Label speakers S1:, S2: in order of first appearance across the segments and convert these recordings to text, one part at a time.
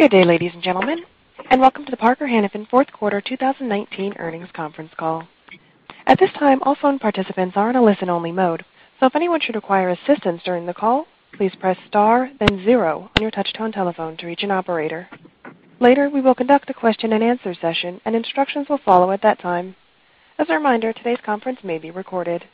S1: Good day, ladies and gentlemen, and welcome to the Parker-Hannifin fourth quarter 2019 earnings conference call. At this time, all phone participants are in a listen-only mode. If anyone should require assistance during the call, please press star then zero on your touch-tone telephone to reach an operator. Later, we will conduct a question and answer session, and instructions will follow at that time. As a reminder, today's conference may be recorded.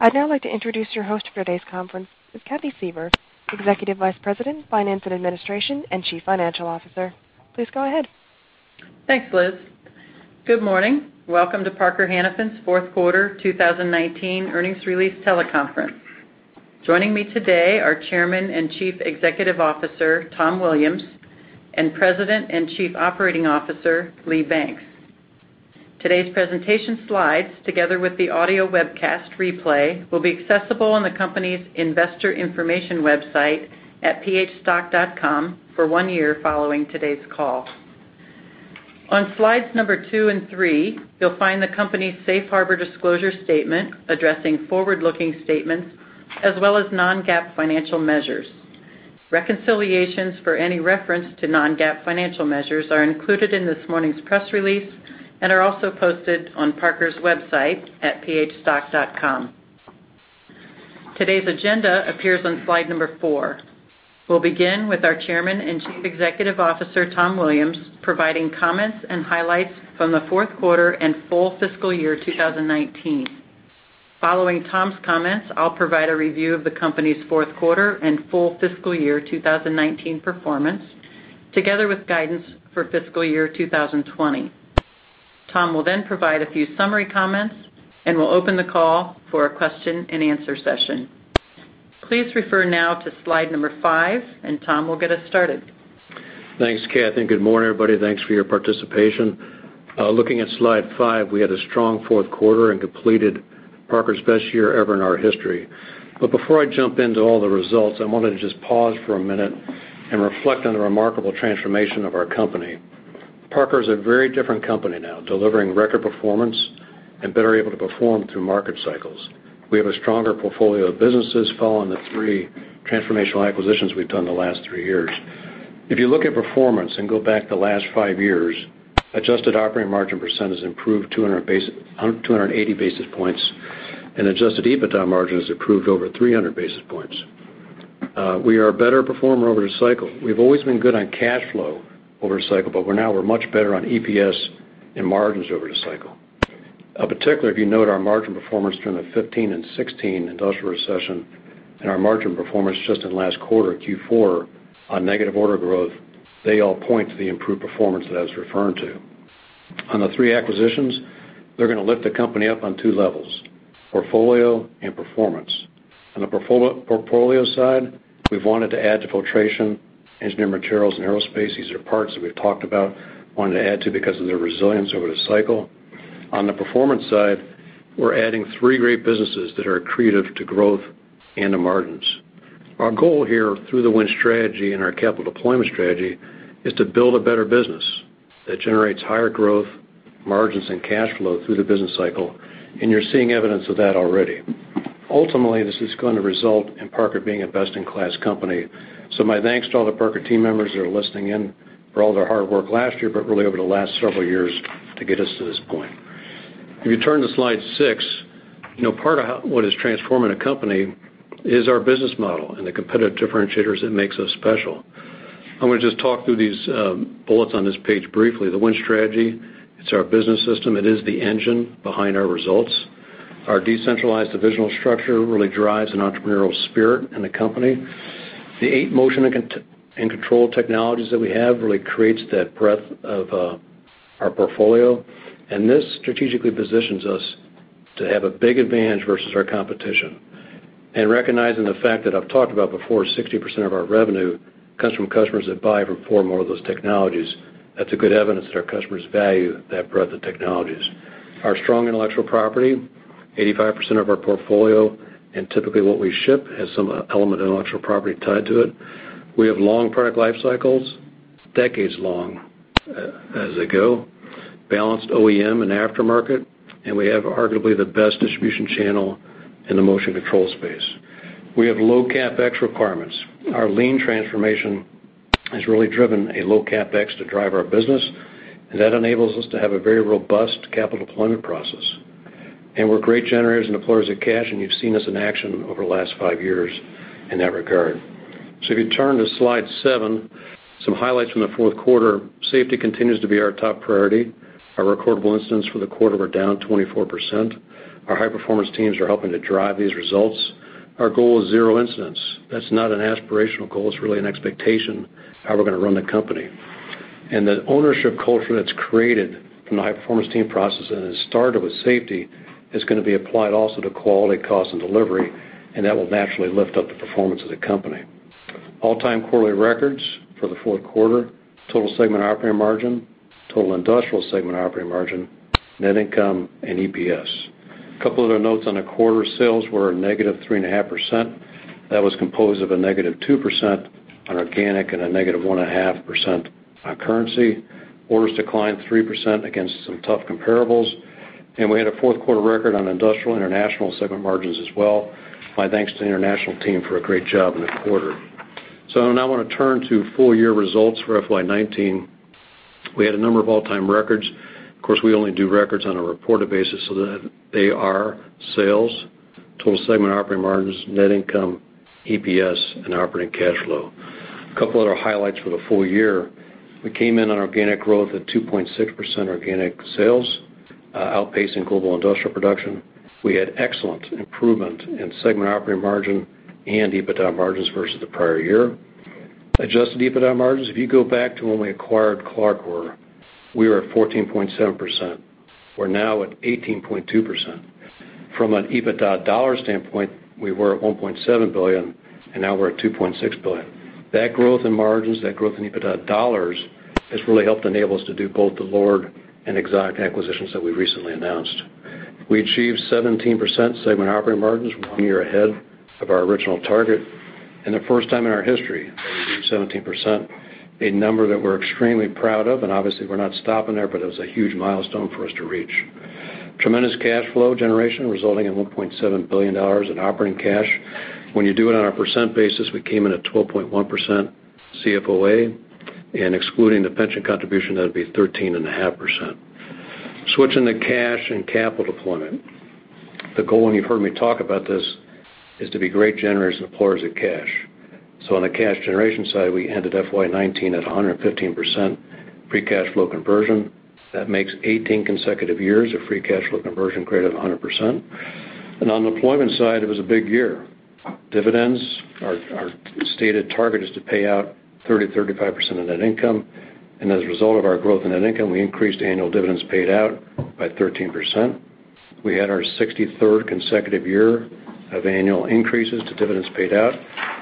S1: I'd now like to introduce your host for today's conference, Ms. Catherine Suever, Executive Vice President of Finance and Administration and Chief Financial Officer. Please go ahead.
S2: Thanks, Liz. Good morning. Welcome to Parker-Hannifin's fourth quarter 2019 earnings release teleconference. Joining me today are Chairman and Chief Executive Officer, Thomas Williams, and President and Chief Operating Officer, Lee Banks. Today's presentation slides, together with the audio webcast replay, will be accessible on the company's investor information website at phstock.com for one year following today's call. On slides number two and three, you'll find the company's safe harbor disclosure statement addressing forward-looking statements, as well as non-GAAP financial measures. Reconciliations for any reference to non-GAAP financial measures are included in this morning's press release and are also posted on Parker's website at phstock.com. Today's agenda appears on slide number four. We'll begin with our Chairman and Chief Executive Officer, Thomas Williams, providing comments and highlights from the fourth quarter and full fiscal year 2019. Following Thomas comments, I'll provide a review of the company's fourth quarter and full fiscal year 2019 performance, together with guidance for fiscal year 2020. Thomas will provide a few summary comments, and we'll open the call for a question and answer session. Please refer now to slide number five, and Thomas will get us started.
S3: Thanks, Catherine. Good morning, everybody. Thanks for your participation. Looking at slide five, we had a strong fourth quarter and completed Parker's best year ever in our history. Before I jump into all the results, I wanted to just pause for a minute and reflect on the remarkable transformation of our company. Parker is a very different company now, delivering record performance and better able to perform through market cycles. We have a stronger portfolio of businesses following the three transformational acquisitions we've done in the last three years. If you look at performance and go back the last five years, adjusted operating margin percent has improved 280 basis points, and adjusted EBITDA margin has improved over 300 basis points. We are a better performer over the cycle. We've always been good on cash flow over cycle, but now we're much better on EPS and margins over the cycle. Of particular, if you note our margin performance during the 2015 and 2016 industrial recession and our margin performance just in last quarter, Q4, on negative order growth, they all point to the improved performance that I was referring to. On the three acquisitions, they're going to lift the company up on two levels: portfolio and performance. On the portfolio side, we've wanted to add to filtration, engineered materials, and aerospace. These are parts that we've talked about wanting to add to because of their resilience over the cycle. On the performance side, we're adding three great businesses that are accretive to growth and to margins. Our goal here through the Win Strategy and our capital deployment strategy is to build a better business that generates higher growth, margins, and cash flow through the business cycle. You're seeing evidence of that already. Ultimately, this is going to result in Parker being a best-in-class company. My thanks to all the Parker team members that are listening in for all their hard work last year, but really over the last several years to get us to this point. If you turn to slide six, part of what is transforming the company is our business model and the competitive differentiators that makes us special. I'm going to just talk through these bullets on this page briefly. The Win Strategy, it's our business system. It is the engine behind our results. Our decentralized divisional structure really drives an entrepreneurial spirit in the company. The eight motion and control technologies that we have really creates that breadth of our portfolio, this strategically positions us to have a big advantage versus our competition. Recognizing the fact that I've talked about before, 60% of our revenue comes from customers that buy from four or more of those technologies. That's a good evidence that our customers value that breadth of technologies. Our strong intellectual property, 85% of our portfolio, typically what we ship has some element of intellectual property tied to it. We have long product life cycles, decades long as they go, balanced OEM and aftermarket, we have arguably the best distribution channel in the motion control space. We have low CapEx requirements. Our lean transformation has really driven a low CapEx to drive our business, that enables us to have a very robust capital deployment process. We're great generators and deployers of cash, and you've seen us in action over the last five years in that regard. If you turn to slide seven, some highlights from the fourth quarter, safety continues to be our top priority. Our recordable incidents for the quarter were down 24%. Our high-performance teams are helping to drive these results. Our goal is zero incidents. That's not an aspirational goal. It's really an expectation how we're going to run the company. The ownership culture that's created from the high-performance team process and has started with safety is going to be applied also to quality, cost, and delivery, and that will naturally lift up the performance of the company. All-time quarterly records for the fourth quarter, total segment operating margin, total industrial segment operating margin, net income, and EPS. A couple of other notes on the quarter, sales were a -3.5%. That was composed of a -2% on organic and a -1.5% on currency. Orders declined 3% against some tough comparables. We had a fourth quarter record on Industrial International segment margins as well. My thanks to the international team for a great job in the quarter. I now want to turn to full year results for FY 2019. We had a number of all-time records. Of course, we only do records on a reported basis, so that they are sales, total segment operating margins, net income, EPS, and operating cash flow. A couple other highlights for the full year. We came in on organic growth at 2.6% organic sales, outpacing global industrial production. We had excellent improvement in segment operating margin and EBITDA margins versus the prior year. Adjusted EBITDA margins, if you go back to when we acquired CLARCOR, we were at 14.7%. We're now at 18.2%. From an EBITDA dollar standpoint, we were at $1.7 billion, and now we're at $2.6 billion. That growth in margins, that growth in EBITDA dollars, has really helped enable us to do both the Lord and Exotic acquisitions that we recently announced. We achieved 17% segment operating margins, one year ahead of our original target, and the first time in our history that we achieved 17%, a number that we're extremely proud of, and obviously we're not stopping there, but it was a huge milestone for us to reach. Tremendous cash flow generation resulting in $1.7 billion in operating cash. When you do it on a percent basis, we came in at 12.1% CFOA, and excluding the pension contribution, that'd be 13.5%. Switching to cash and capital deployment. The goal, and you've heard me talk about this, is to be great generators and deployers of cash. On the cash generation side, we ended FY 2019 at 115% free cash flow conversion. That makes 18 consecutive years of free cash flow conversion greater than 100%. On the deployment side, it was a big year. Dividends, our stated target is to pay out 30%-35% of net income. As a result of our growth in net income, we increased annual dividends paid out by 13%. We had our 63rd consecutive year of annual increases to dividends paid out,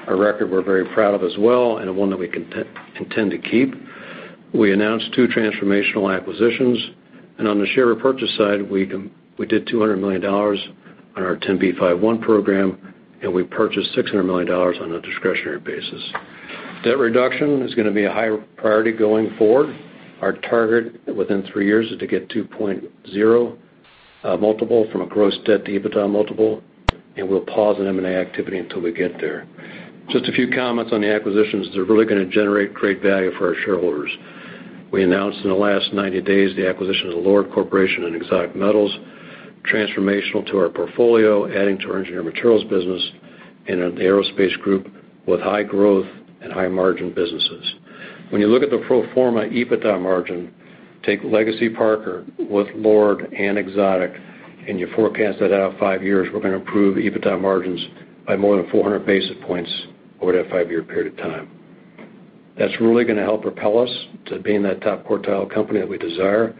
S3: a record we're very proud of as well, and one that we intend to keep. We announced two transformational acquisitions. On the share repurchase side, we did $200 million on our 10b5-1 program, and we purchased $600 million on a discretionary basis. Debt reduction is going to be a high priority going forward. Our target within three years is to get 2.0x multiple from a gross debt to EBITDA multiple. We'll pause on M&A activity until we get there. Just a few comments on the acquisitions that are really going to generate great value for our shareholders. We announced in the last 90 days the acquisition of the Lord Corporation and Exotic Metals, transformational to our portfolio, adding to our engineered materials business and the aerospace group with high growth and high margin businesses. When you look at the pro forma EBITDA margin, take legacy Parker with Lord and Exotic. You forecast that out five years, we're going to improve EBITDA margins by more than 400 basis points over that five-year period of time. That's really going to help propel us to being that top quartile company that we desire.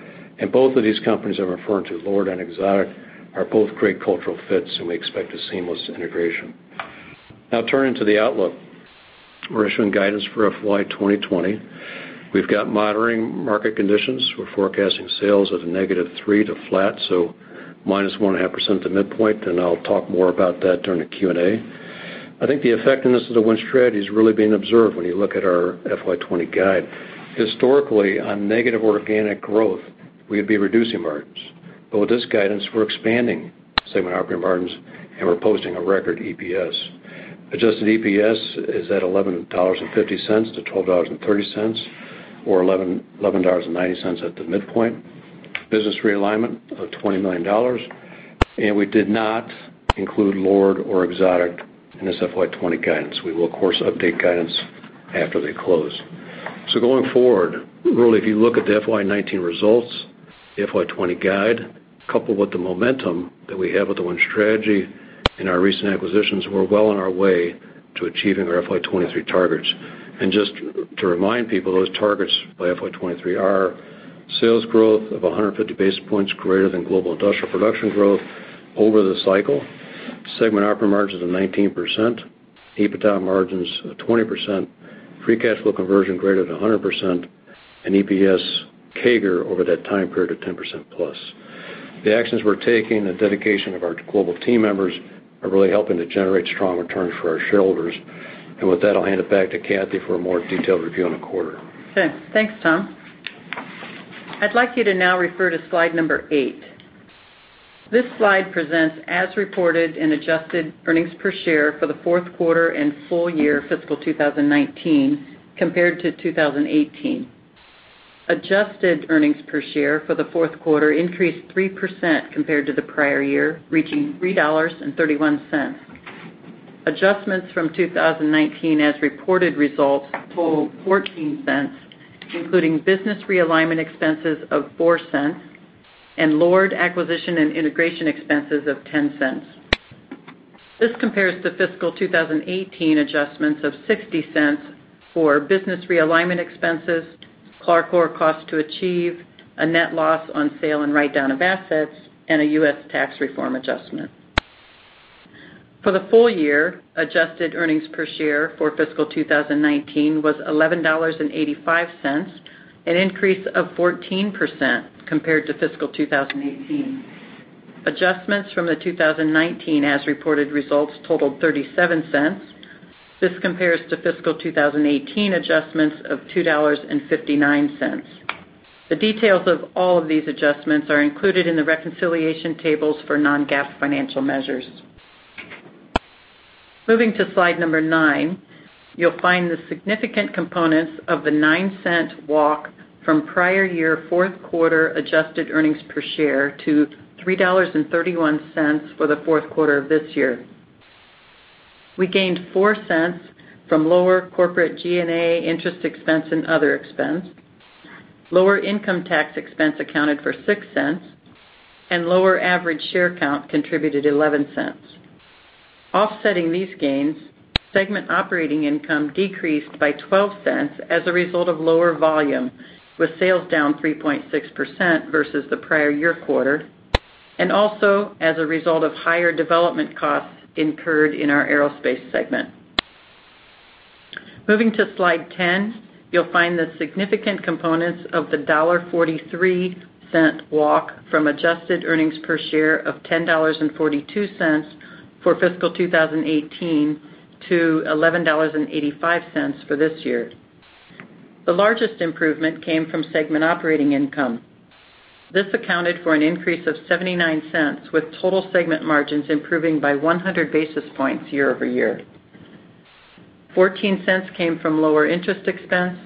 S3: Both of these companies I'm referring to, Lord and Exotic, are both great cultural fits and we expect a seamless integration. Turning to the outlook. We're issuing guidance for FY 2020. We've got moderate market conditions. We're forecasting sales of -3% to flat, so -1.5% at the midpoint, and I'll talk more about that during the Q&A. I think the effectiveness of The Win Strategy is really being observed when you look at our FY 2020 guide. Historically, on negative organic growth, we'd be reducing margins. With this guidance, we're expanding segment operating margins, and we're posting a record EPS. Adjusted EPS is at $11.50 to $12.30, or $11.90 at the midpoint. Business realignment of $20 million. We did not include Lord or Exotic in this FY 2020 guidance. We will, of course, update guidance after they close. Going forward, really, if you look at the FY 2019 results, the FY 2020 guide, coupled with the momentum that we have with the Win Strategy and our recent acquisitions, we're well on our way to achieving our FY 2023 targets. Just to remind people, those targets by FY 2023 are sales growth of 150 basis points greater than global industrial production growth over the cycle, segment operating margins of 19%, EBITDA margins of 20%, free cash flow conversion greater than 100%, and EPS CAGR over that time period of 10% plus. The actions we're taking, the dedication of our global team members, are really helping to generate strong returns for our shareholders. With that, I'll hand it back to Catherine for a more detailed review on the quarter.
S2: Okay. Thanks, Thomas. I'd like you to now refer to slide number eight. This slide presents as reported and adjusted earnings per share for the fourth quarter and full year fiscal 2019, compared to 2018. Adjusted earnings per share for the fourth quarter increased 3% compared to the prior year, reaching $3.31. Adjustments from 2019 as reported results total $0.14, including business realignment expenses of $0.04, and Lord acquisition and integration expenses of $0.10. This compares to fiscal 2018 adjustments of $0.60 for business realignment expenses, CLARCOR cost to achieve, a net loss on sale and write-down of assets, and a U.S. tax reform adjustment. For the full year, adjusted earnings per share for fiscal 2019 was $11.85, an increase of 14% compared to fiscal 2018. Adjustments from the 2019 as reported results totaled $0.37. This compares to fiscal 2018 adjustments of $2.59. The details of all of these adjustments are included in the reconciliation tables for non-GAAP financial measures. Moving to slide nine, you'll find the significant components of the $0.09 walk from prior year fourth quarter adjusted earnings per share to $3.31 for the fourth quarter of this year. We gained $0.04 from lower corporate G&A interest expense and other expense. Lower income tax expense accounted for $0.06, lower average share count contributed $0.11. Offsetting these gains, segment operating income decreased by $0.12 as a result of lower volume, with sales down 3.6% versus the prior year quarter, also as a result of higher development costs incurred in our Aerospace segment. Moving to slide 10, you'll find the significant components of the $1.43 walk from adjusted earnings per share of $10.42 for fiscal 2018 to $11.85 for this year. The largest improvement came from segment operating income. This accounted for an increase of $0.79, with total segment margins improving by 100 basis points year-over-year. $0.14 came from lower interest expense,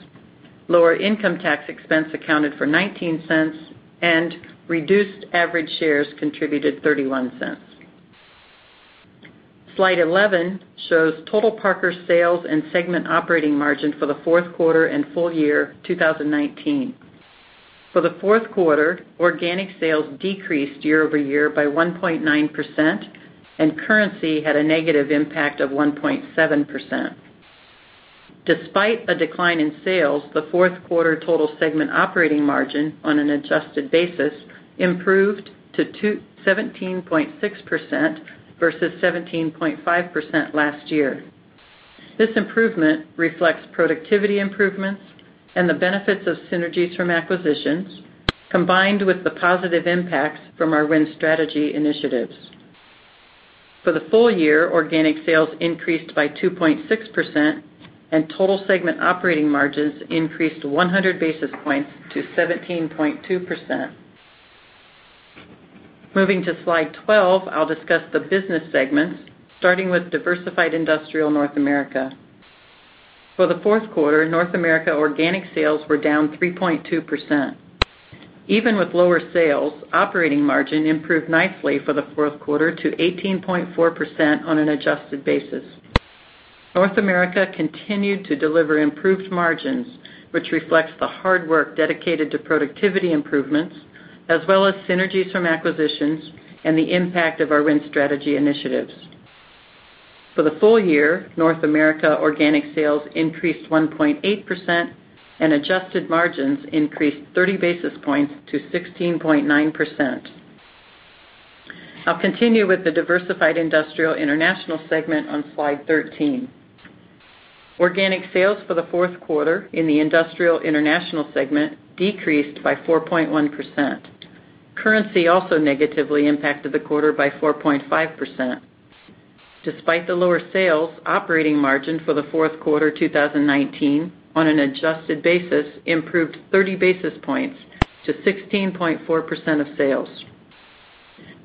S2: lower income tax expense accounted for $0.19, and reduced average shares contributed $0.31. Slide 11 shows total Parker sales and segment operating margin for the fourth quarter and full year 2019. For the fourth quarter, organic sales decreased year-over-year by 1.9%, and currency had a negative impact of 1.7%. Despite a decline in sales, the fourth quarter total segment operating margin, on an adjusted basis, improved to 17.6% versus 17.5% last year. This improvement reflects productivity improvements and the benefits of synergies from acquisitions, combined with the positive impacts from our Win Strategy initiatives. For the full year, organic sales increased by 2.6%, and total segment operating margins increased 100 basis points to 17.2%. Moving to Slide 12, I'll discuss the business segments, starting with Diversified Industrial North America. For the fourth quarter, North America organic sales were down 3.2%. Even with lower sales, operating margin improved nicely for the fourth quarter to 18.4% on an adjusted basis. North America continued to deliver improved margins, which reflects the hard work dedicated to productivity improvements, as well as synergies from acquisitions and the impact of our Win Strategy initiatives. For the full year, North America organic sales increased 1.8%, and adjusted margins increased 30 basis points to 16.9%. I'll continue with the Diversified Industrial International segment on slide 13. Organic sales for the fourth quarter in the Diversified Industrial International segment decreased by 4.1%. Currency also negatively impacted the quarter by 4.5%. Despite the lower sales, operating margin for the fourth quarter 2019, on an adjusted basis, improved 30 basis points to 16.4% of sales.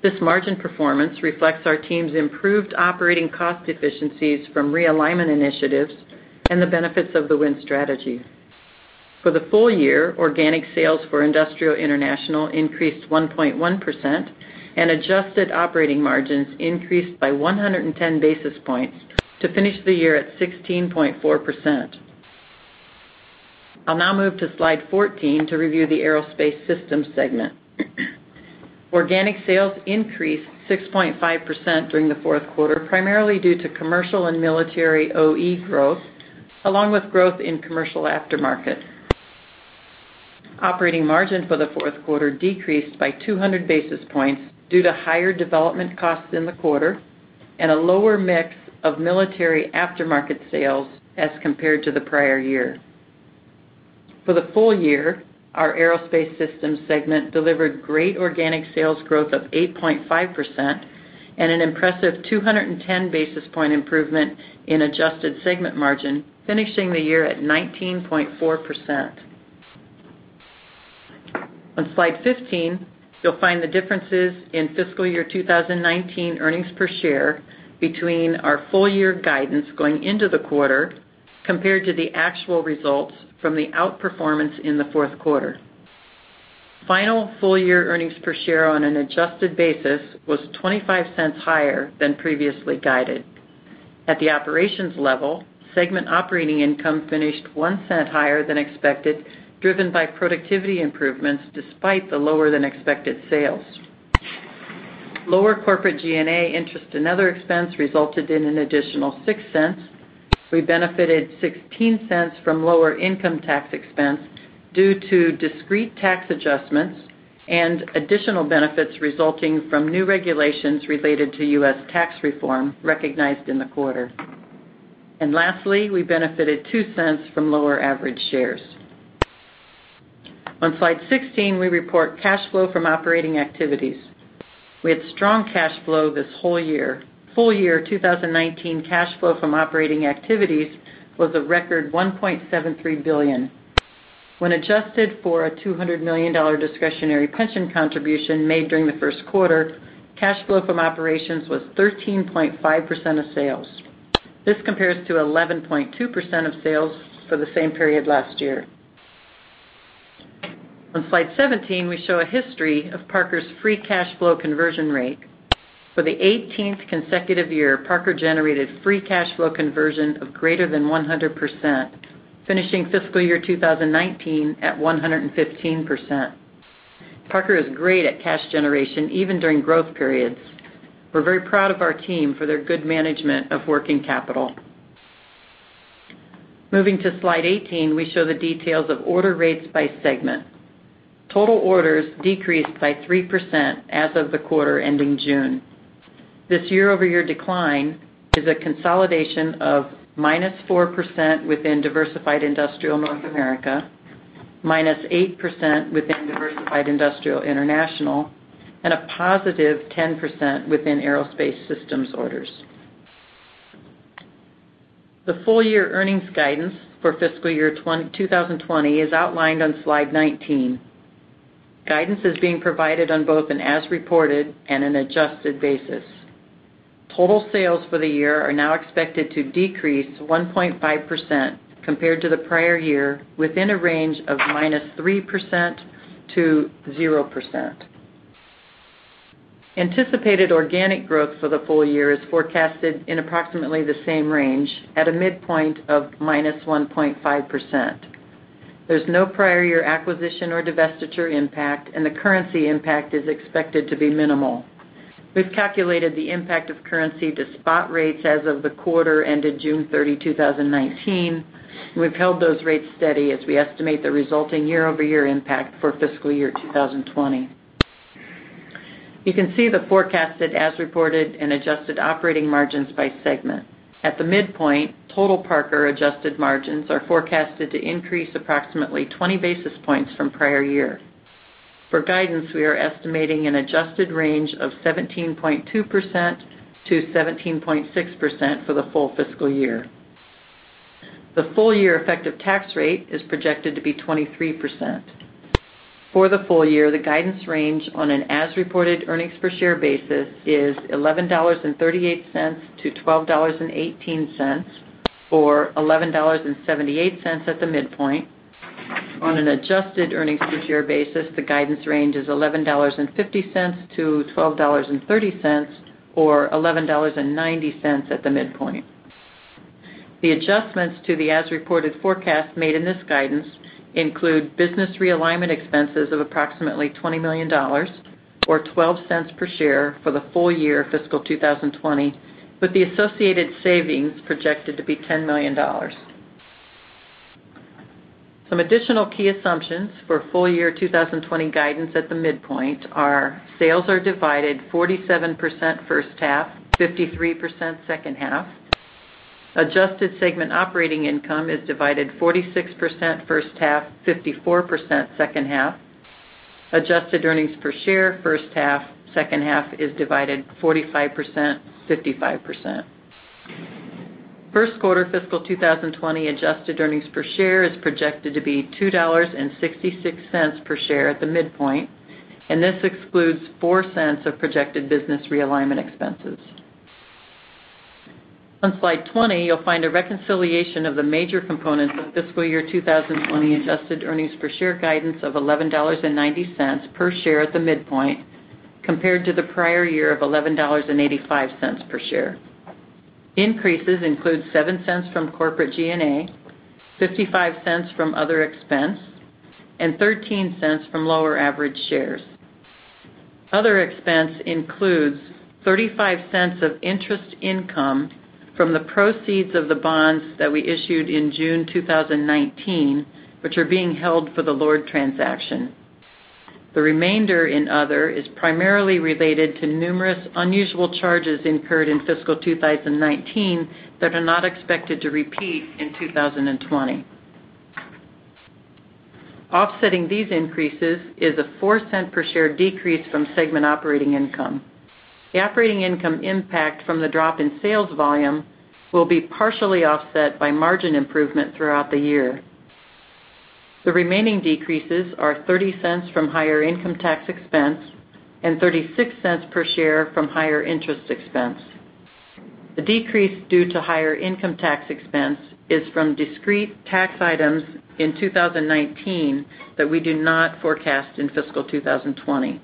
S2: This margin performance reflects our team's improved operating cost efficiencies from realignment initiatives and the benefits of the Win Strategy. For the full year, organic sales for Industrial International increased 1.1%, and adjusted operating margins increased by 110 basis points to finish the year at 16.4%. I'll now move to slide 14 to review the Aerospace Systems segment. Organic sales increased 6.5% during the fourth quarter, primarily due to commercial and military OE growth, along with growth in commercial aftermarket. Operating margin for the fourth quarter decreased by 200 basis points due to higher development costs in the quarter and a lower mix of military aftermarket sales as compared to the prior year. For the full year, our Aerospace Systems segment delivered great organic sales growth of 8.5% and an impressive 210 basis point improvement in adjusted segment margin, finishing the year at 19.4%. On slide 15, you'll find the differences in fiscal year 2019 earnings per share between our full year guidance going into the quarter compared to the actual results from the outperformance in the fourth quarter. Final full year earnings per share on an adjusted basis was $0.25 higher than previously guided. At the operations level, segment operating income finished $0.01 higher than expected, driven by productivity improvements despite the lower than expected sales. Lower corporate G&A interest and other expense resulted in an additional $0.06. We benefited $0.16 from lower income tax expense due to discrete tax adjustments and additional benefits resulting from new regulations related to U.S. tax reform recognized in the quarter. Lastly, we benefited $0.02 from lower average shares. On slide 16, we report cash flow from operating activities. We had strong cash flow this whole year. Full year 2019 cash flow from operating activities was a record $1.73 billion. When adjusted for a $200 million discretionary pension contribution made during the first quarter, cash flow from operations was 13.5% of sales. This compares to 11.2% of sales for the same period last year. On slide 17, we show a history of Parker's free cash flow conversion rate. For the 18th consecutive year, Parker generated free cash flow conversion of greater than 100%, finishing fiscal year 2019 at 115%. Parker is great at cash generation, even during growth periods. We're very proud of our team for their good management of working capital. Moving to slide 18, we show the details of order rates by segment. Total orders decreased by 3% as of the quarter ending June. This year-over-year decline is a consolidation of -4% within Diversified Industrial North America, -8% within Diversified Industrial International, and a +10% within Aerospace Systems orders. The full year earnings guidance for fiscal year 2020 is outlined on slide 19. Guidance is being provided on both an as reported and an adjusted basis. Total sales for the year are now expected to decrease 1.5% compared to the prior year, within a range of -3% to 0%. Anticipated organic growth for the full year is forecasted in approximately the same range at a midpoint of -1.5%. There's no prior year acquisition or divestiture impact, and the currency impact is expected to be minimal. We've calculated the impact of currency to spot rates as of the quarter ended June 30, 2019. We've held those rates steady as we estimate the resulting year-over-year impact for fiscal year 2020. You can see the forecasted as reported and adjusted operating margins by segment. At the midpoint, total Parker adjusted margins are forecasted to increase approximately 20 basis points from prior year. For guidance, we are estimating an adjusted range of 17.2%-17.6% for the full fiscal year. The full year effective tax rate is projected to be 23%. For the full year, the guidance range on an as reported earnings per share basis is $11.38-$12.18, or $11.78 at the midpoint. On an adjusted earnings per share basis, the guidance range is $11.50-$12.30, or $11.90 at the midpoint. The adjustments to the as reported forecast made in this guidance include business realignment expenses of approximately $20 million, or $0.12 per share for the full year fiscal 2020, with the associated savings projected to be $10 million. Some additional key assumptions for full year 2020 guidance at the midpoint are, sales are divided 47% first half, 53% second half. Adjusted segment operating income is divided 46% first half, 54% second half. Adjusted earnings per share first half, second half is divided 45%, 55%. First quarter fiscal 2020 adjusted earnings per share is projected to be $2.66 per share at the midpoint, this excludes $0.04 of projected business realignment expenses. On slide 20, you'll find a reconciliation of the major components of fiscal year 2020 adjusted earnings per share guidance of $11.90 per share at the midpoint, compared to the prior year of $11.85 per share. Increases include $0.07 from corporate G&A, $0.55 from other expense, and $0.13 from lower average shares. Other expense includes $0.35 of interest income from the proceeds of the bonds that we issued in June 2019, which are being held for the Lord transaction. The remainder in other is primarily related to numerous unusual charges incurred in fiscal 2019 that are not expected to repeat in 2020. Offsetting these increases is a $0.04 per share decrease from segment operating income. The operating income impact from the drop in sales volume will be partially offset by margin improvement throughout the year. The remaining decreases are $0.30 from higher income tax expense and $0.36 per share from higher interest expense. The decrease due to higher income tax expense is from discrete tax items in 2019 that we do not forecast in fiscal 2020.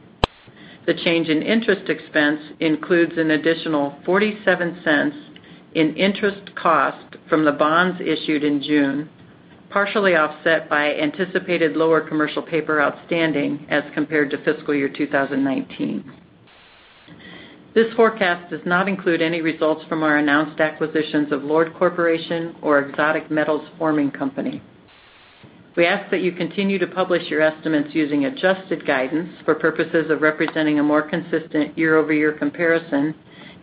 S2: The change in interest expense includes an additional $0.47 in interest cost from the bonds issued in June, partially offset by anticipated lower commercial paper outstanding as compared to fiscal year 2019. This forecast does not include any results from our announced acquisitions of Lord Corporation or Exotic Metals Forming Company. We ask that you continue to publish your estimates using adjusted guidance for purposes of representing a more consistent year-over-year comparison,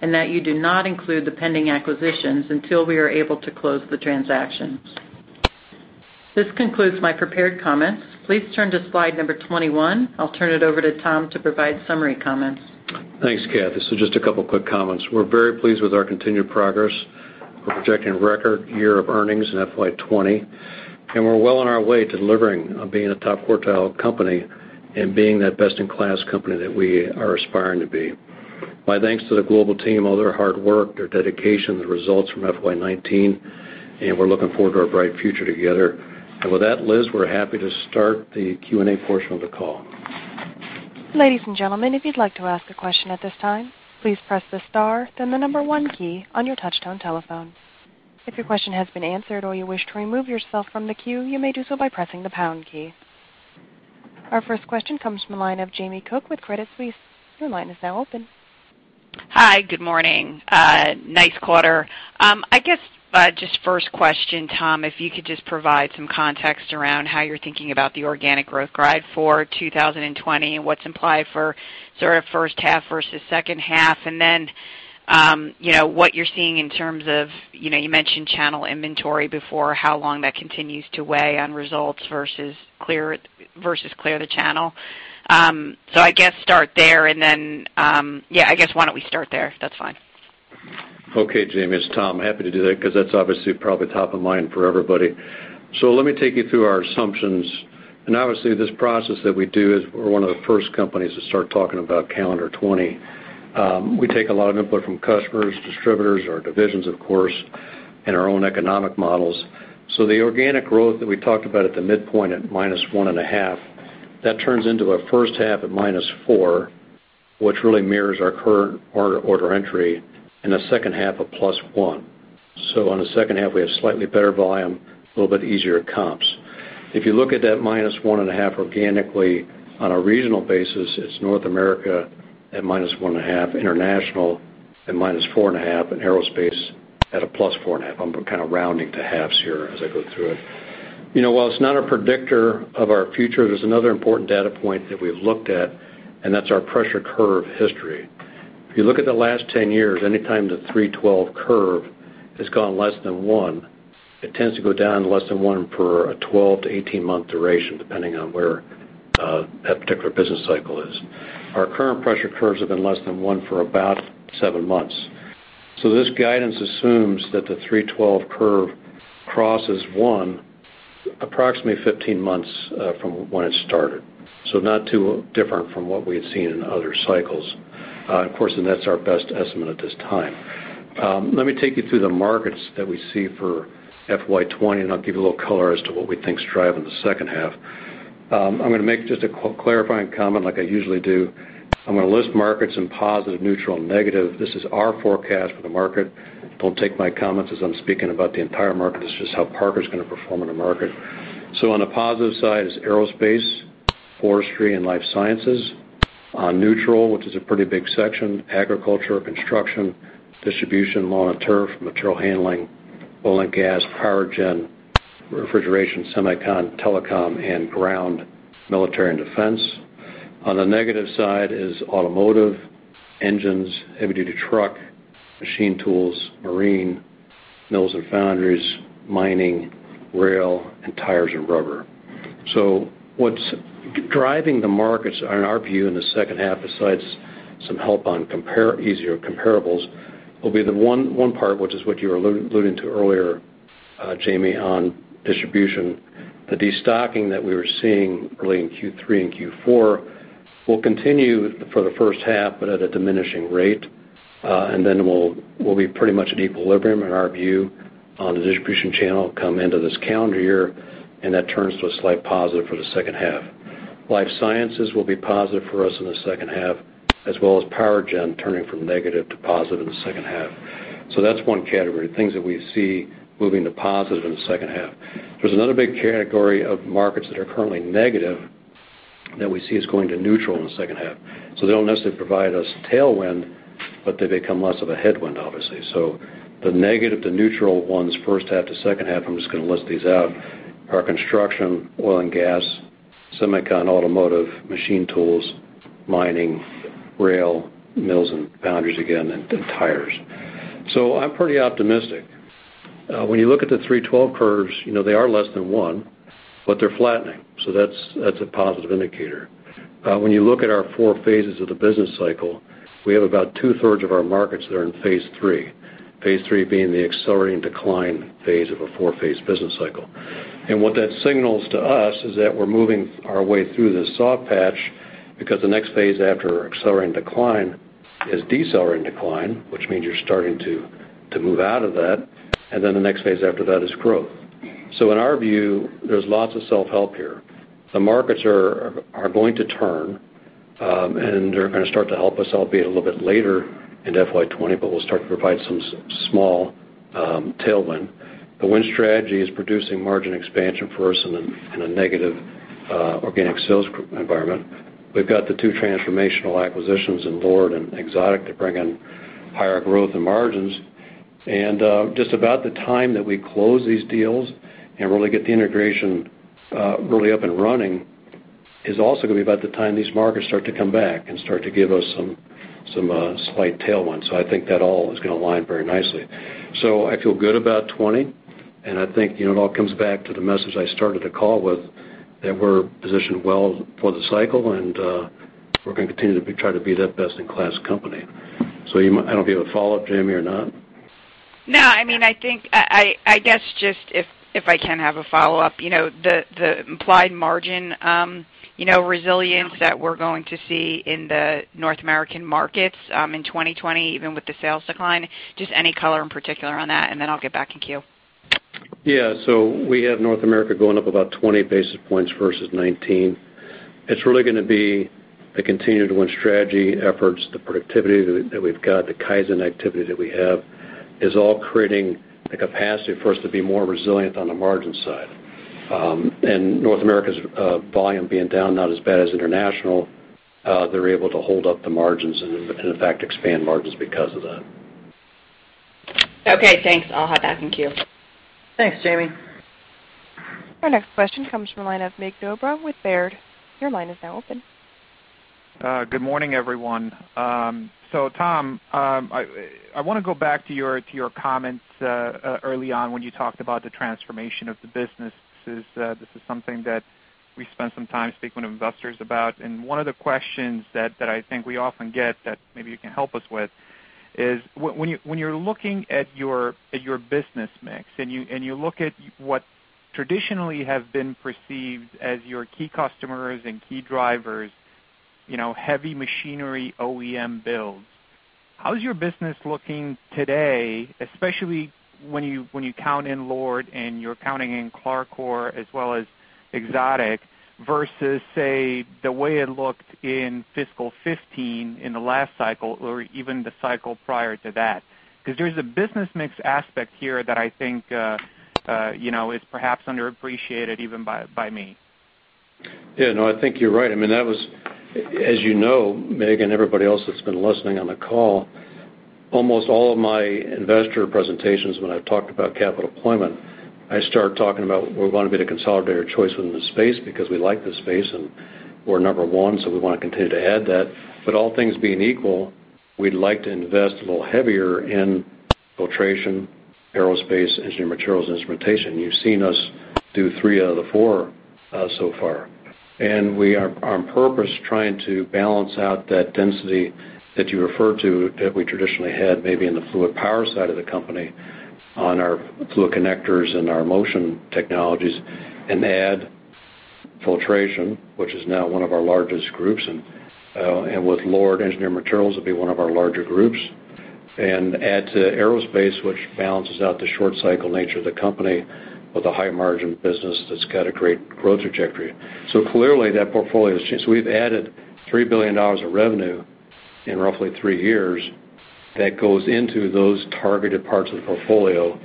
S2: and that you do not include the pending acquisitions until we are able to close the transactions. This concludes my prepared comments. Please turn to slide number 21. I'll turn it over to Thomas to provide summary comments.
S3: Thanks, Catherine. This is just a couple quick comments. We're very pleased with our continued progress. We're projecting a record year of earnings in FY 2020, and we're well on our way to delivering on being a top quartile company and being that best-in-class company that we are aspiring to be. My thanks to the global team, all their hard work, their dedication, the results from FY 2019, and we're looking forward to our bright future together. With that, Liz, we're happy to start the Q&A portion of the call.
S1: Ladies and gentlemen, if you'd like to ask a question at this time, please press the star, then the number one key on your touch-tone telephone. If your question has been answered or you wish to remove yourself from the queue, you may do so by pressing the pound key. Our first question comes from the line of Jamie Cook with Credit Suisse. Your line is now open.
S4: Hi, good morning. Nice quarter. I guess, just first question, Thomas, if you could just provide some context around how you're thinking about the organic growth guide for 2020 and what's implied for sort of first half versus second half. What you're seeing in terms of, you mentioned channel inventory before, how long that continues to weigh on results versus clear the channel. I guess start there and then, yeah, I guess why don't we start there, if that's fine.
S3: Okay, Jamie. It is Thomas. Happy to do that because that is obviously probably top of mind for everybody. Let me take you through our assumptions. Obviously, this process that we do is we are one of the first companies to start talking about calendar 2020. We take a lot of input from customers, distributors, our divisions, of course, and our own economic models. The organic growth that we talked about at the midpoint at minus 1.5, that turns into a first half at -4, which really mirrors our current order entry, and a second half of +1. On the second half, we have slightly better volume, a little bit easier comps. If you look at that -one and a half organically on a regional basis, it's North America at -one and a half, International at -four and a half, and Aerospace at a +four and a half. I'm kind of rounding to halves here as I go through it. While it's not a predictor of our future, there's another important data point that we've looked at, and that's our pressure curve history. If you look at the last 10 years, anytime the 3/12 curve has gone less than one, it tends to go down less than one for a 12-18 month duration, depending on where that particular business cycle is. Our current pressure curves have been less than one for about seven months. This guidance assumes that the 3/12 curve crosses one approximately 15 months from when it started. Not too different from what we had seen in other cycles. Of course, that's our best estimate at this time. Let me take you through the markets that we see for FY 2020, and I'll give you a little color as to what we think is driving the second half. I'm going to make just a clarifying comment like I usually do. I'm going to list markets in positive, neutral, and negative. This is our forecast for the market. Don't take my comments as I'm speaking about the entire market. This is just how Parker's going to perform in the market. On the positive side is Aerospace, Forestry, and Life Sciences. On neutral, which is a pretty big section, Agriculture, Construction, Distribution, Lawn and Turf, Material Handling, Oil and Gas, Powergen, Refrigeration, Semiconductor, Telecom, and Ground Military and Defense. On the negative side is Automotive, Engines, Heavy Duty Truck, Machine Tools, Marine, Mills and Foundries, Mining, Rail, and Tires and Rubber. What's driving the markets, in our view, in the second half, besides some help on easier comparables, will be the one part, which is what you were alluding to earlier, Jamie, on Distribution. The de-stocking that we were seeing early in Q3 and Q4 will continue for the first half, but at a diminishing rate. Then we'll be pretty much at equilibrium, in our view, on the Distribution channel come into this calendar year, and that turns to a slight positive for the second half. Life Sciences will be positive for us in the second half, as well as Powergen turning from negative to positive in the second half. That's one category, things that we see moving to positive in the second half. There's another big category of markets that are currently negative that we see is going to neutral in the second half. They don't necessarily provide us tailwind, but they become less of a headwind, obviously. The negative to neutral ones, first half to second half, I'm just going to list these out, are Construction, Oil and Gas, Semiconductor, Automotive, Machine Tools, Mining, Rail, Mills and Foundries again, and Tires. I'm pretty optimistic. When you look at the 3/12 curves, they are less than one, but they're flattening. That's a positive indicator. When you look at our four phases of the business cycle, we have about two-thirds of our markets that are in phase 3, phase 3 being the accelerating decline phase of a four-phase business cycle. What that signals to us is that we're moving our way through this soft patch because the next phase after accelerating decline is decelerating decline, which means you're starting to move out of that, and then the next phase after that is growth. In our view, there's lots of self-help here. The markets are going to turn, and they're going to start to help us, albeit a little bit later in FY 2020, but we'll start to provide some small tailwind. The Win Strategy is producing margin expansion for us in a negative organic sales environment. We've got the two transformational acquisitions in Lord and Exotic to bring in higher growth and margins. Just about the time that we close these deals and really get the integration really up and running. Is also going to be about the time these markets start to come back and start to give us some slight tailwinds. I think that all is going to align very nicely. I feel good about 2020, and I think it all comes back to the message I started the call with, that we're positioned well for the cycle, and we're going to continue to try to be that best-in-class company. I don't know if you have a follow-up, Jamie, or not.
S4: No. I guess, just if I can have a follow-up. The implied margin resilience that we're going to see in the North American markets in 2020, even with the sales decline, just any color in particular on that. Then I'll get back in queue.
S3: Yeah. We have North America going up about 20 basis points versus 19. It's really going to be the Continue to Win Strategy efforts, the productivity that we've got, the Kaizen activity that we have, is all creating the capacity for us to be more resilient on the margin side. North America's volume being down not as bad as international, they're able to hold up the margins and in fact, expand margins because of that.
S4: Okay, thanks. I'll hop back in queue.
S3: Thanks, Jamie.
S1: Our next question comes from the line of Mircea Dobre with Baird. Your line is now open.
S5: Good morning, everyone. Thomas, I want to go back to your comments early on when you talked about the transformation of the business. This is something that we spend some time speaking with investors about. One of the questions that I think we often get that maybe you can help us with is, when you're looking at your business mix and you look at what traditionally have been perceived as your key customers and key drivers, heavy machinery OEM builds. How is your business looking today, especially when you count in Lord and you're counting in CLARCOR as well as Exotic, versus, say, the way it looked in fiscal 2015 in the last cycle or even the cycle prior to that? There's a business mix aspect here that I think is perhaps underappreciated even by me.
S3: Yeah, no, I think you're right. As you know, Mircea, and everybody else that's been listening on the call, almost all of my investor presentations, when I've talked about capital deployment, I start talking about we want to be the consolidator choice within the space because we like the space, and we're number one, so we want to continue to add that. All things being equal, we'd like to invest a little heavier in filtration, aerospace, engineered materials, instrumentation. You've seen us do three out of the four so far. We are on purpose trying to balance out that density that you referred to that we traditionally had, maybe in the fluid power side of the company, on our fluid connectors and our motion technologies, and add filtration, which is now one of our largest groups. And with Lord Engineered Materials, it'll be one of our larger groups. Add to Aerospace, which balances out the short cycle nature of the company with a high-margin business that's got a great growth trajectory. Clearly, that portfolio has changed. We've added $3 billion of revenue in roughly three years that goes into those targeted parts of the portfolio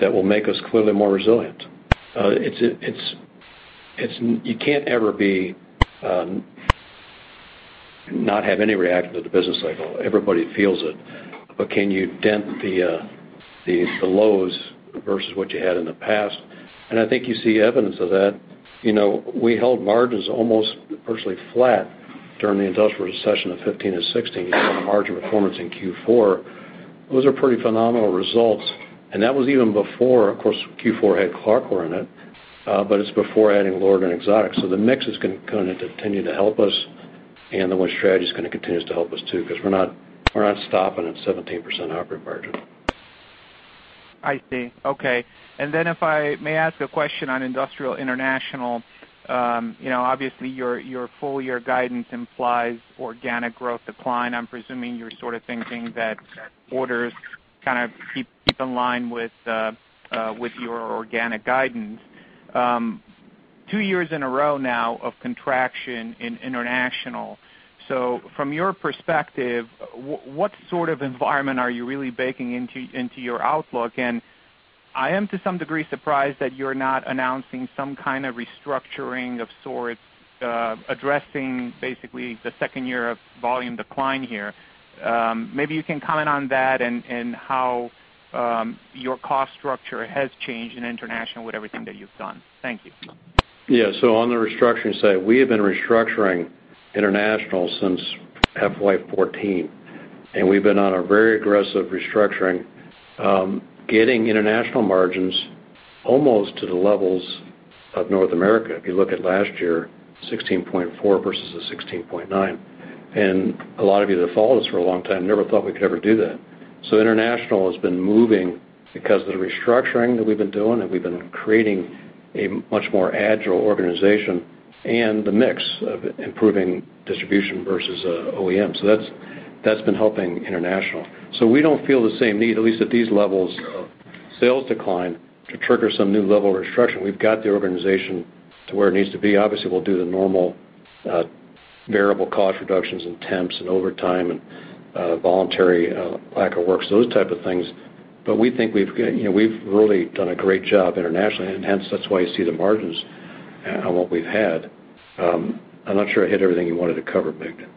S3: that will make us clearly more resilient. You can't ever not have any reaction to the business cycle. Everybody feels it. Can you dent the lows versus what you had in the past? I think you see evidence of that. We held margins almost virtually flat during the industrial recession of 2015 and 2016. You saw the margin performance in Q4. Those are pretty phenomenal results. That was even before, of course, Q4 had CLARCOR in it, but it's before adding Lord and Exotic. The mix is going to continue to help us, and the Win Strategy is going to continue to help us, too. We're not stopping at 17% operating margin.
S5: I see. Okay. Then if I may ask a question on Diversified Industrial International. Obviously, your full-year guidance implies organic growth decline. I'm presuming you're sort of thinking that orders kind of keep in line with your organic guidance. Two years in a row now of contraction in International. From your perspective, what sort of environment are you really baking into your outlook? I am, to some degree, surprised that you're not announcing some kind of restructuring of sorts, addressing basically the second year of volume decline here. Maybe you can comment on that and how your cost structure has changed in International with everything that you've done. Thank you.
S3: Yeah. On the restructuring side, we have been restructuring international since FY 2014, and we've been on a very aggressive restructuring, getting international margins almost to the levels of North America. If you look at last year, 16.4% versus the 16.9%. A lot of you that have followed us for a long time never thought we could ever do that. International has been moving because of the restructuring that we've been doing, and we've been creating a much more agile organization and the mix of improving distribution versus OEM. That's been helping international. We don't feel the same need, at least at these levels of sales decline, to trigger some new level of restructuring. We've got the organization to where it needs to be. Obviously, we'll do the normal variable cost reductions in temps and overtime and voluntary lack of works, those type of things. We think we've really done a great job internationally, and hence that's why you see the margins on what we've had. I'm not sure I hit everything you wanted to cover, Mircea.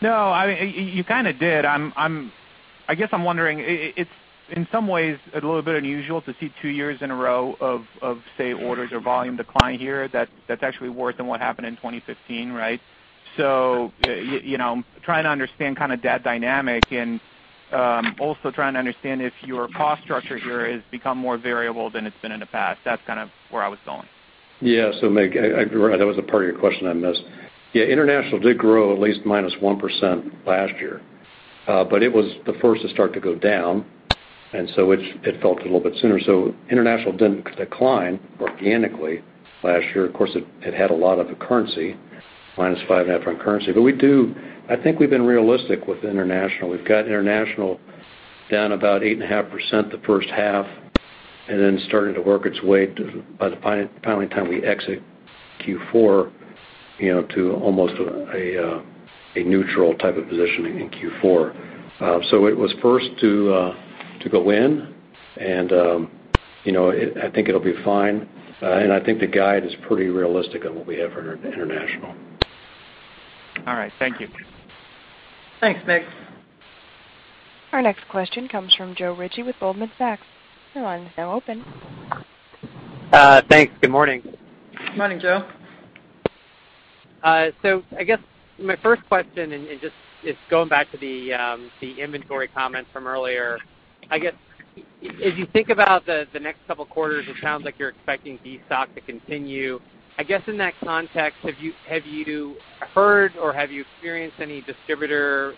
S5: No, you kind of did. I guess I'm wondering, it's in some ways a little bit unusual to see two years in a row of, say, orders or volume decline here that's actually worse than what happened in 2015, right? Trying to understand that dynamic and also trying to understand if your cost structure here has become more variable than it's been in the past. That's kind of where I was going.
S3: Yeah. Mircea, that was a part of your question I missed. Yeah, international did grow at least -1% last year. It was the first to start to go down, and so it felt a little bit sooner. International didn't decline organically last year. Of course, it had a lot of the currency, -5.5% on currency. I think we've been realistic with international. We've got international down about 8.5% the first half and then starting to work its way by the final time we exit Q4, to almost a neutral type of positioning in Q4. It was first to go in and, I think it'll be fine. I think the guide is pretty realistic on what we have for international.
S5: All right. Thank you.
S3: Thanks, Mircea.
S1: Our next question comes from Joe Ritchie with Goldman Sachs. Your line is now open.
S6: Thanks. Good morning.
S3: Morning, Joe.
S6: I guess my first question is just going back to the inventory comments from earlier. I guess, if you think about the next couple of quarters, it sounds like you're expecting destock to continue. I guess in that context, have you heard or have you experienced any distributor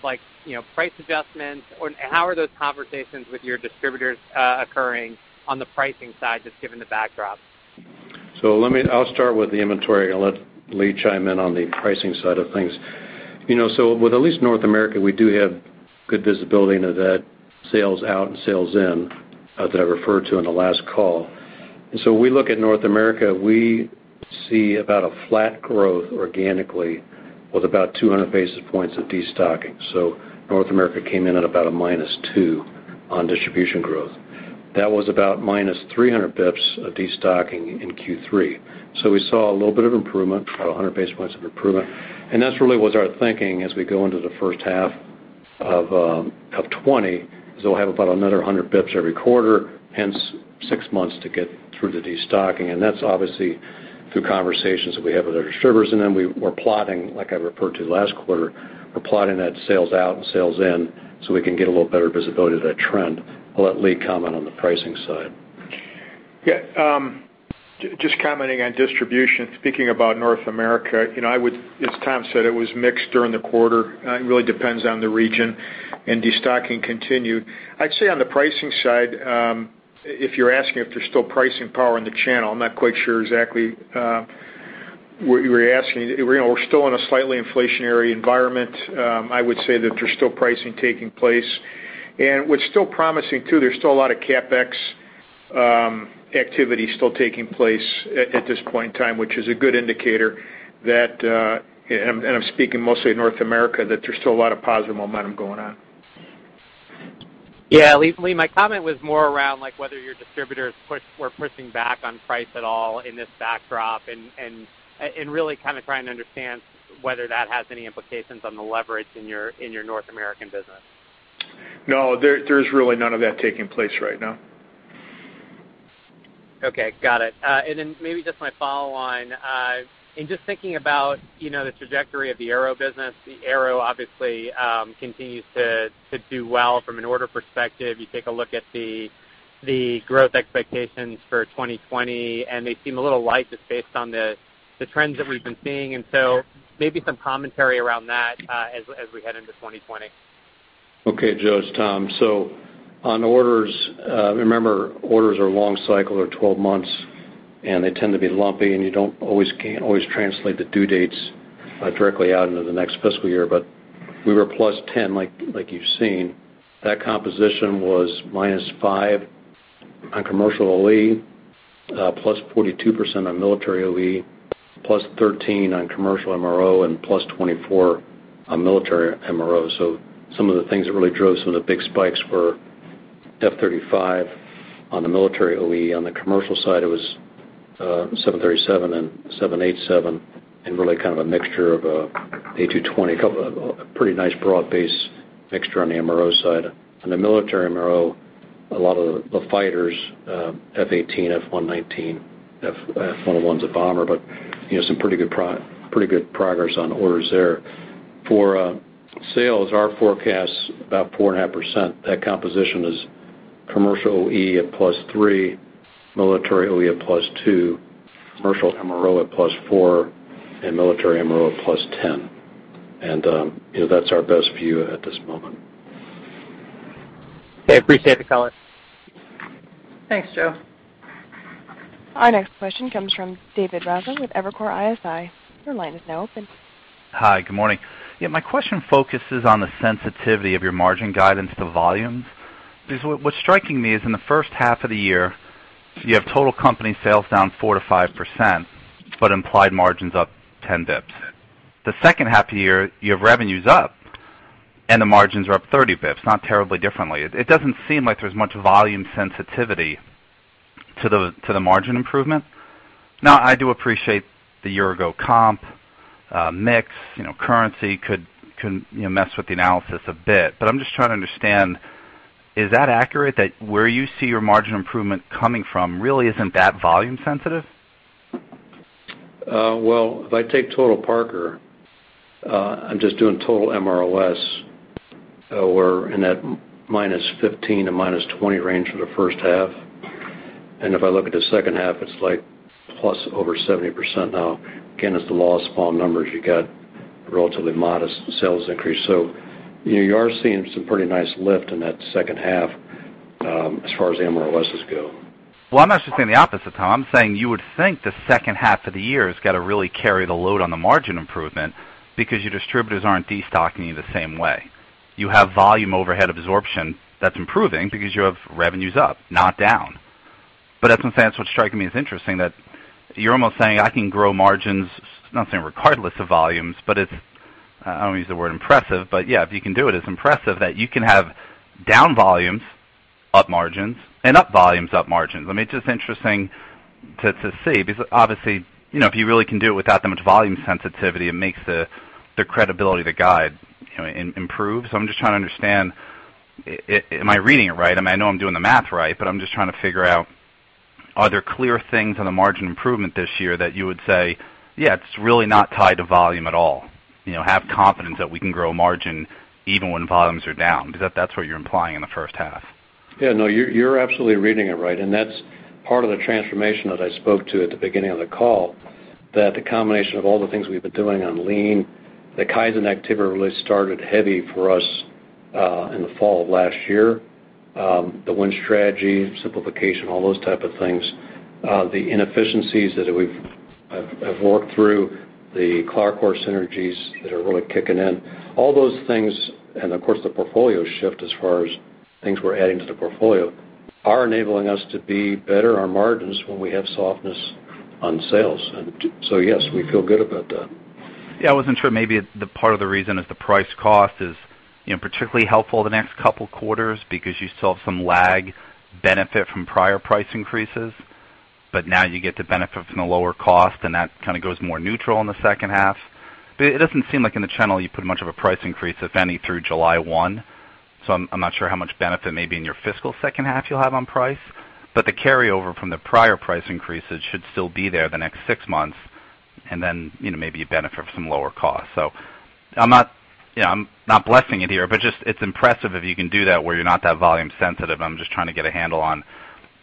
S6: price adjustments? How are those conversations with your distributors occurring on the pricing side, just given the backdrop?
S3: I'll start with the inventory. I'll let Lee chime in on the pricing side of things. With at least North America, we do have good visibility into that sales out and sales in, that I referred to in the last call. We look at North America, we see about a flat growth organically with about 200 basis points of destocking. North America came in at about a minus two on distribution growth. That was about minus 300 basis points of destocking in Q3. We saw a little bit of improvement, about 100 basis points of improvement. That's really what our thinking as we go into the first half of 2020, is we'll have about another 100 basis points every quarter, hence six months to get through the destocking. That's obviously through conversations that we have with our distributors. We're plotting, like I referred to last quarter, we're plotting that sales out and sales in so we can get a little better visibility of that trend. I'll let Lee comment on the pricing side.
S7: Yeah. Just commenting on distribution, speaking about North America, as Thomas said, it was mixed during the quarter. It really depends on the region and destocking continued. I'd say on the pricing side, if you're asking if there's still pricing power in the channel, I'm not quite sure exactly what you were asking. We're still in a slightly inflationary environment. I would say that there's still pricing taking place. What's still promising, too, there's still a lot of CapEx activity still taking place at this point in time, which is a good indicator that, and I'm speaking mostly North America, that there's still a lot of positive momentum going on.
S6: Yeah. Lee, my comment was more around whether your distributors were pushing back on price at all in this backdrop, and really kind of trying to understand whether that has any implications on the leverage in your North American business.
S7: No, there's really none of that taking place right now.
S6: Okay. Got it. Maybe just my follow on. In just thinking about the trajectory of the aero business, the aero obviously continues to do well from an order perspective. You take a look at the growth expectations for 2020, they seem a little light, just based on the trends that we've been seeing. Maybe some commentary around that as we head into 2020.
S3: Okay, Joe. It's Thomas. On orders, remember, orders are long cycle or 12 months, and they tend to be lumpy, and you don't always translate the due dates directly out into the next fiscal year. We were +10, like you've seen. That composition was -5 on commercial OE, +42% on military OE, +13 on commercial MRO, and +24 on military MRO. Some of the things that really drove some of the big spikes were F-35 on the military OE. On the commercial side, it was 737 and 787, and really kind of a mixture of A220, a pretty nice broad base mixture on the MRO side. On the military MRO, a lot of the fighters, F/A-18, F-119. F-101's a bomber. Some pretty good progress on orders there. For sales, our forecast is about 4.5%. That composition is commercial OE at plus three, military OE at plus two, commercial MRO at plus four, and military MRO at plus 10. That's our best view at this moment.
S6: Okay. Appreciate the color.
S3: Thanks, Joe.
S1: Our next question comes from David Raso with Evercore ISI. Your line is now open.
S8: Hi, good morning. Yeah, my question focuses on the sensitivity of your margin guidance to volumes. What's striking me is in the first half of the year, you have total company sales down 4% to 5%, but implied margins up 10 basis points. The second half of the year, you have revenues up, the margins are up 30 basis points, not terribly differently. It doesn't seem like there's much volume sensitivity to the margin improvement. I do appreciate the year-ago comp mix. Currency could mess with the analysis a bit. I'm just trying to understand, is that accurate that where you see your margin improvement coming from really isn't that volume sensitive?
S3: Well, if I take total Parker, I'm just doing total MROs. We're in that -15% to -20% range for the first half. If I look at the second half, it's like +over 70% now. Again, it's the law of small numbers. You got a relatively modest sales increase. You are seeing some pretty nice lift in that second half as far as MROs go.
S8: Well, I'm not suggesting the opposite, Thomas. I'm saying you would think the second half of the year has got to really carry the load on the margin improvement because your distributors aren't destocking you the same way. You have volume overhead absorption that's improving because you have revenues up, not down. That's in a sense what's striking me as interesting, that you're almost saying, I can grow margins, not saying regardless of volumes, but it's, I won't use the word impressive, but yes, if you can do it's impressive that you can have down volumes, up margins, and up volumes, up margins. I mean, it's just interesting to see, because obviously, if you really can do it without that much volume sensitivity, it makes the credibility of the guide improve. I'm just trying to understand, am I reading it right? I know I'm doing the math right, but I'm just trying to figure out, are there clear things on the margin improvement this year that you would say, "Yes, it's really not tied to volume at all. Have confidence that we can grow margin even when volumes are down." Because that's what you're implying in the first half.
S3: Yeah, no, you're absolutely reading it right, and that is part of the transformation that I spoke to at the beginning of the call, that the combination of all the things we have been doing on lean, the Kaizen activity really started heavy for us in the fall of last year. The Win Strategy, simplification, all those type of things. The inefficiencies that we've worked through, the CLARCOR synergies that are really kicking in. All those things, and of course, the portfolio shift as far as things we are adding to the portfolio, are enabling us to be better on margins when we have softness on sales. Yes, we feel good about that.
S8: I wasn't sure. Maybe part of the reason is the price cost is particularly helpful the next couple of quarters because you saw some lag benefit from prior price increases. Now you get to benefit from the lower cost, and that kind of goes more neutral in the second half. It doesn't seem like in the channel you put much of a price increase, if any, through July 1. I'm not sure how much benefit maybe in your fiscal second half you'll have on price. The carryover from the prior price increases should still be there the next six months, and then maybe you benefit from lower cost. I'm not blessing it here, but just, it's impressive if you can do that where you're not that volume sensitive. I'm just trying to get a handle on,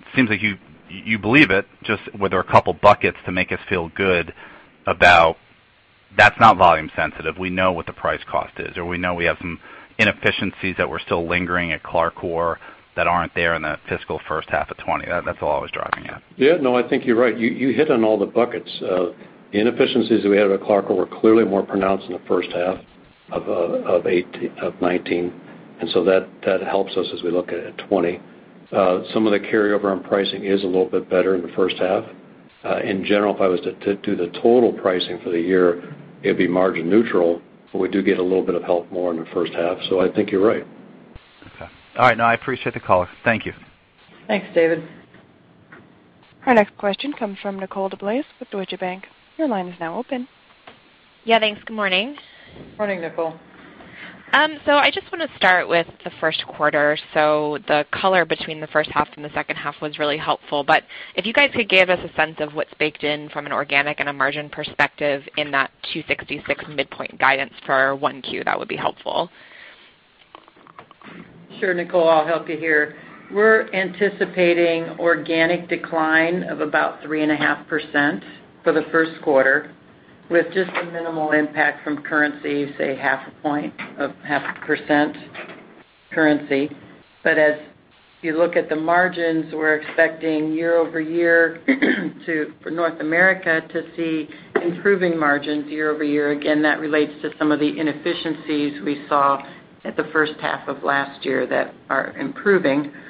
S8: it seems like you believe it, just whether a couple of buckets to make us feel good about that's not volume sensitive. We know what the price cost is, or we know we have some inefficiencies that were still lingering at CLARCOR that aren't there in the fiscal first half of 2020. That's all I was driving at.
S3: Yeah, no, I think you're right. You hit on all the buckets. The inefficiencies that we had with CLARCOR were clearly more pronounced in the first half of 2019, that helps us as we look at 2020. Some of the carryover on pricing is a little bit better in the first half. In general, if I was to do the total pricing for the year, it'd be margin neutral, we do get a little bit of help more in the first half. I think you're right.
S8: Okay. All right. No, I appreciate the call. Thank you.
S2: Thanks, David.
S1: Our next question comes from Nicole DeBlase with Deutsche Bank. Your line is now open.
S9: Yeah, thanks. Good morning.
S2: Morning, Nicole.
S9: I just want to start with the first quarter. The color between the first half and the second half was really helpful. If you guys could give us a sense of what's baked in from an organic and a margin perspective in that $266 midpoint guidance for 1Q, that would be helpful.
S2: Sure, Nicole, I'll help you here. We're anticipating organic decline of about 3.5% for the first quarter, with just a minimal impact from currency, say half a point, of half a percent currency. As you look at the margins, we're expecting year-over-year for Diversified Industrial North America to see improving margins year-over-year. Again, that relates to some of the inefficiencies we saw at the first half of last year that are improving. Diversified Industrial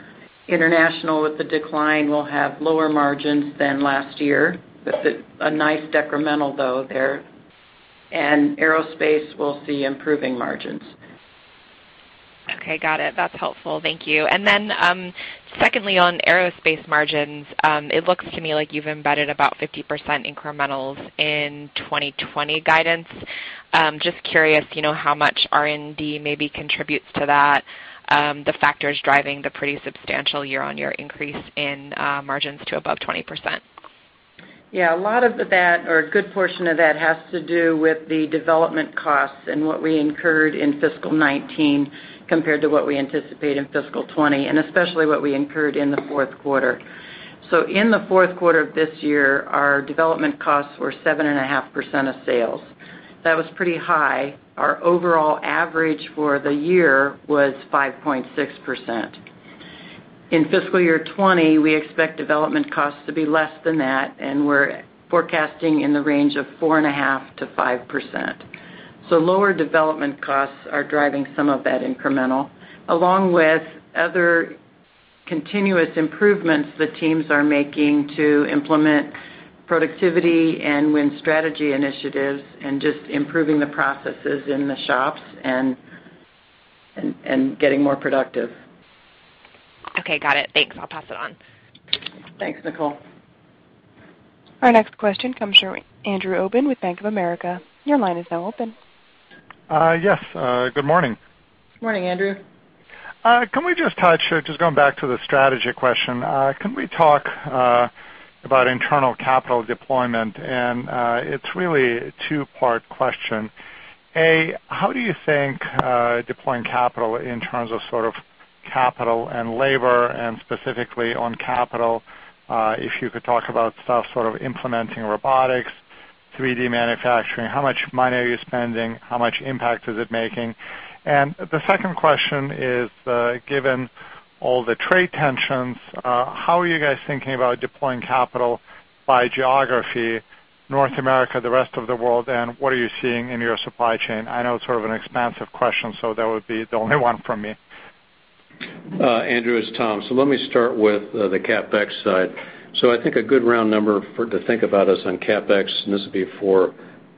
S2: International, with the decline, will have lower margins than last year, but a nice decremental though there. Aerospace Systems will see improving margins.
S9: Okay, got it. That's helpful. Thank you. Secondly on aerospace margins, it looks to me like you've embedded about 50% incrementals in 2020 guidance. Just curious, how much R&D maybe contributes to that, the factors driving the pretty substantial year-on-year increase in margins to above 20%.
S2: Yeah. A lot of that or a good portion of that has to do with the development costs and what we incurred in fiscal 2019 compared to what we anticipate in fiscal 2020, and especially what we incurred in the fourth quarter. In the fourth quarter of this year, our development costs were 7.5% of sales. That was pretty high. Our overall average for the year was 5.6%. In fiscal year 2020, we expect development costs to be less than that, and we're forecasting in the range of 4.5%-5%. Lower development costs are driving some of that incremental, along with other continuous improvements the teams are making to implement productivity and Win Strategy initiatives and just improving the processes in the shops and
S3: Getting more productive.
S9: Okay, got it. Thanks. I'll pass it on.
S3: Thanks, Nicole.
S1: Our next question comes from Andrew Obin with Bank of America. Your line is now open.
S10: Yes, good morning.
S3: Morning, Andrew.
S10: Can we just touch, just going back to the strategy question, can we talk about internal capital deployment? It's really a two-part question. A, how do you think deploying capital in terms of capital and labor, and specifically on capital, if you could talk about stuff sort of implementing robotics, 3D manufacturing, how much money are you spending? How much impact is it making? The second question is, given all the trade tensions, how are you guys thinking about deploying capital by geography, North America, the rest of the world, and what are you seeing in your supply chain? I know it's sort of an expansive question, that would be the only one from me.
S3: Andrew, it's Thomas. Let me start with the CapEx side. I think a good round number to think about is on CapEx, and this would be for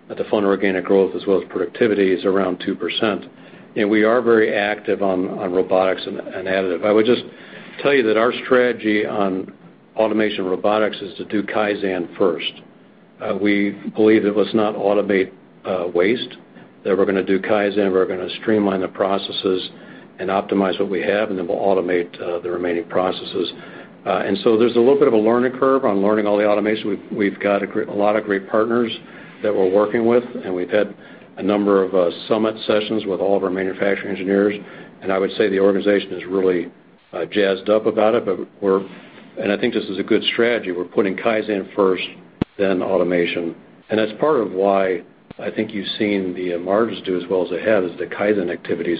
S3: the phone organic growth as well as productivity, is around 2%. We are very active on robotics and additive. I would just tell you that our strategy on automation robotics is to do Kaizen first. We believe that let's not automate waste, that we're going to do Kaizen, we're going to streamline the processes and optimize what we have, and then we'll automate the remaining processes. There's a little bit of a learning curve on learning all the automation. We've got a lot of great partners that we're working with, and we've had a number of summit sessions with all of our manufacturing engineers, and I would say the organization is really jazzed up about it, but I think this is a good strategy. We're putting Kaizen first, then automation. That's part of why I think you've seen the margins do as well as they have, is the Kaizen activities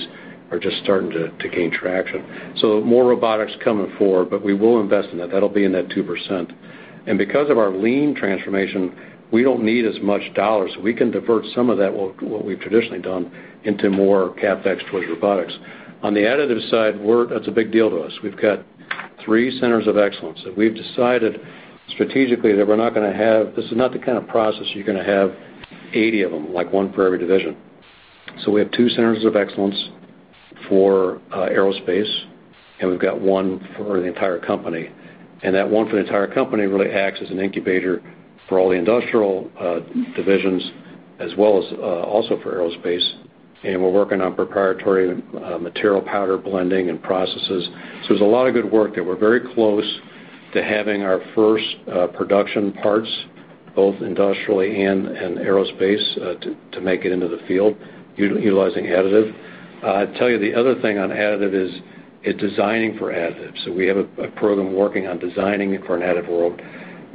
S3: are just starting to gain traction. More robotics coming forward, but we will invest in that. That'll be in that 2%. Because of our lean transformation, we don't need as much dollars, so we can divert some of that, what we've traditionally done, into more CapEx towards robotics. On the additive side, that's a big deal to us. We've got three centers of excellence, and we've decided strategically that we're not going to have-- this is not the kind of process you're going to have 80 of them, like one for every division. We have two centers of excellence for aerospace, and we've got one for the entire company. That one for the entire company really acts as an incubator for all the industrial divisions as well as also for aerospace. We're working on proprietary material powder blending and processes. So there's a lot of good work that we're very close to having our first production parts, both industrially and in aerospace, to make it into the field utilizing additive. I tell you, the other thing on additive is designing for additive. We have a program working on designing for an additive world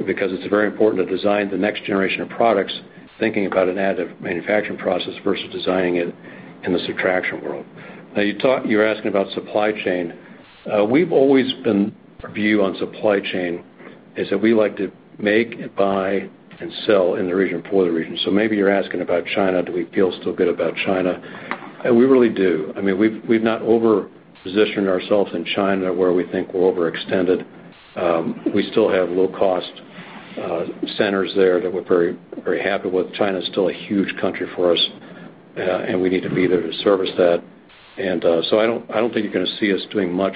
S3: because it's very important to design the next generation of products, thinking about an additive manufacturing process versus designing it in the subtraction world. You're asking about supply chain. Our view on supply chain is that we like to make, buy, and sell in the region for the region. Maybe you're asking about China, do we feel still good about China? We really do. We've not over-positioned ourselves in China, where we think we're overextended. We still have low-cost centers there that we're very happy with. China's still a huge country for us, and we need to be there to service that. I don't think you're going to see us doing much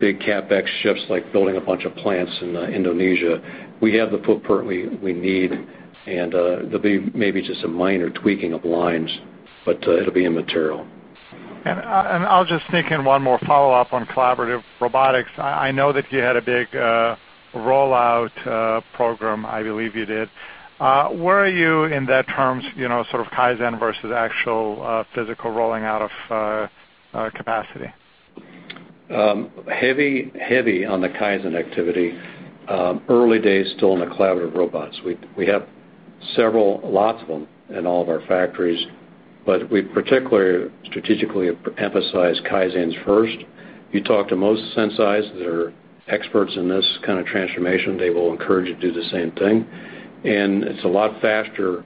S3: big CapEx shifts, like building a bunch of plants in Indonesia. We have the footprint we need, and there'll be maybe just a minor tweaking of lines, but it'll be immaterial.
S10: I'll just sneak in one more follow-up on collaborative robotics. I know that you had a big rollout program, I believe you did. Where are you in that terms, sort of Kaizen versus actual physical rolling out of capacity?
S3: Heavy on the Kaizen activity. Early days, still in the collaborative robots. We have several, lots of them in all of our factories, but we particularly strategically emphasize Kaizens first. If you talk to most senseis that are experts in this kind of transformation, they will encourage you to do the same thing. It's a lot faster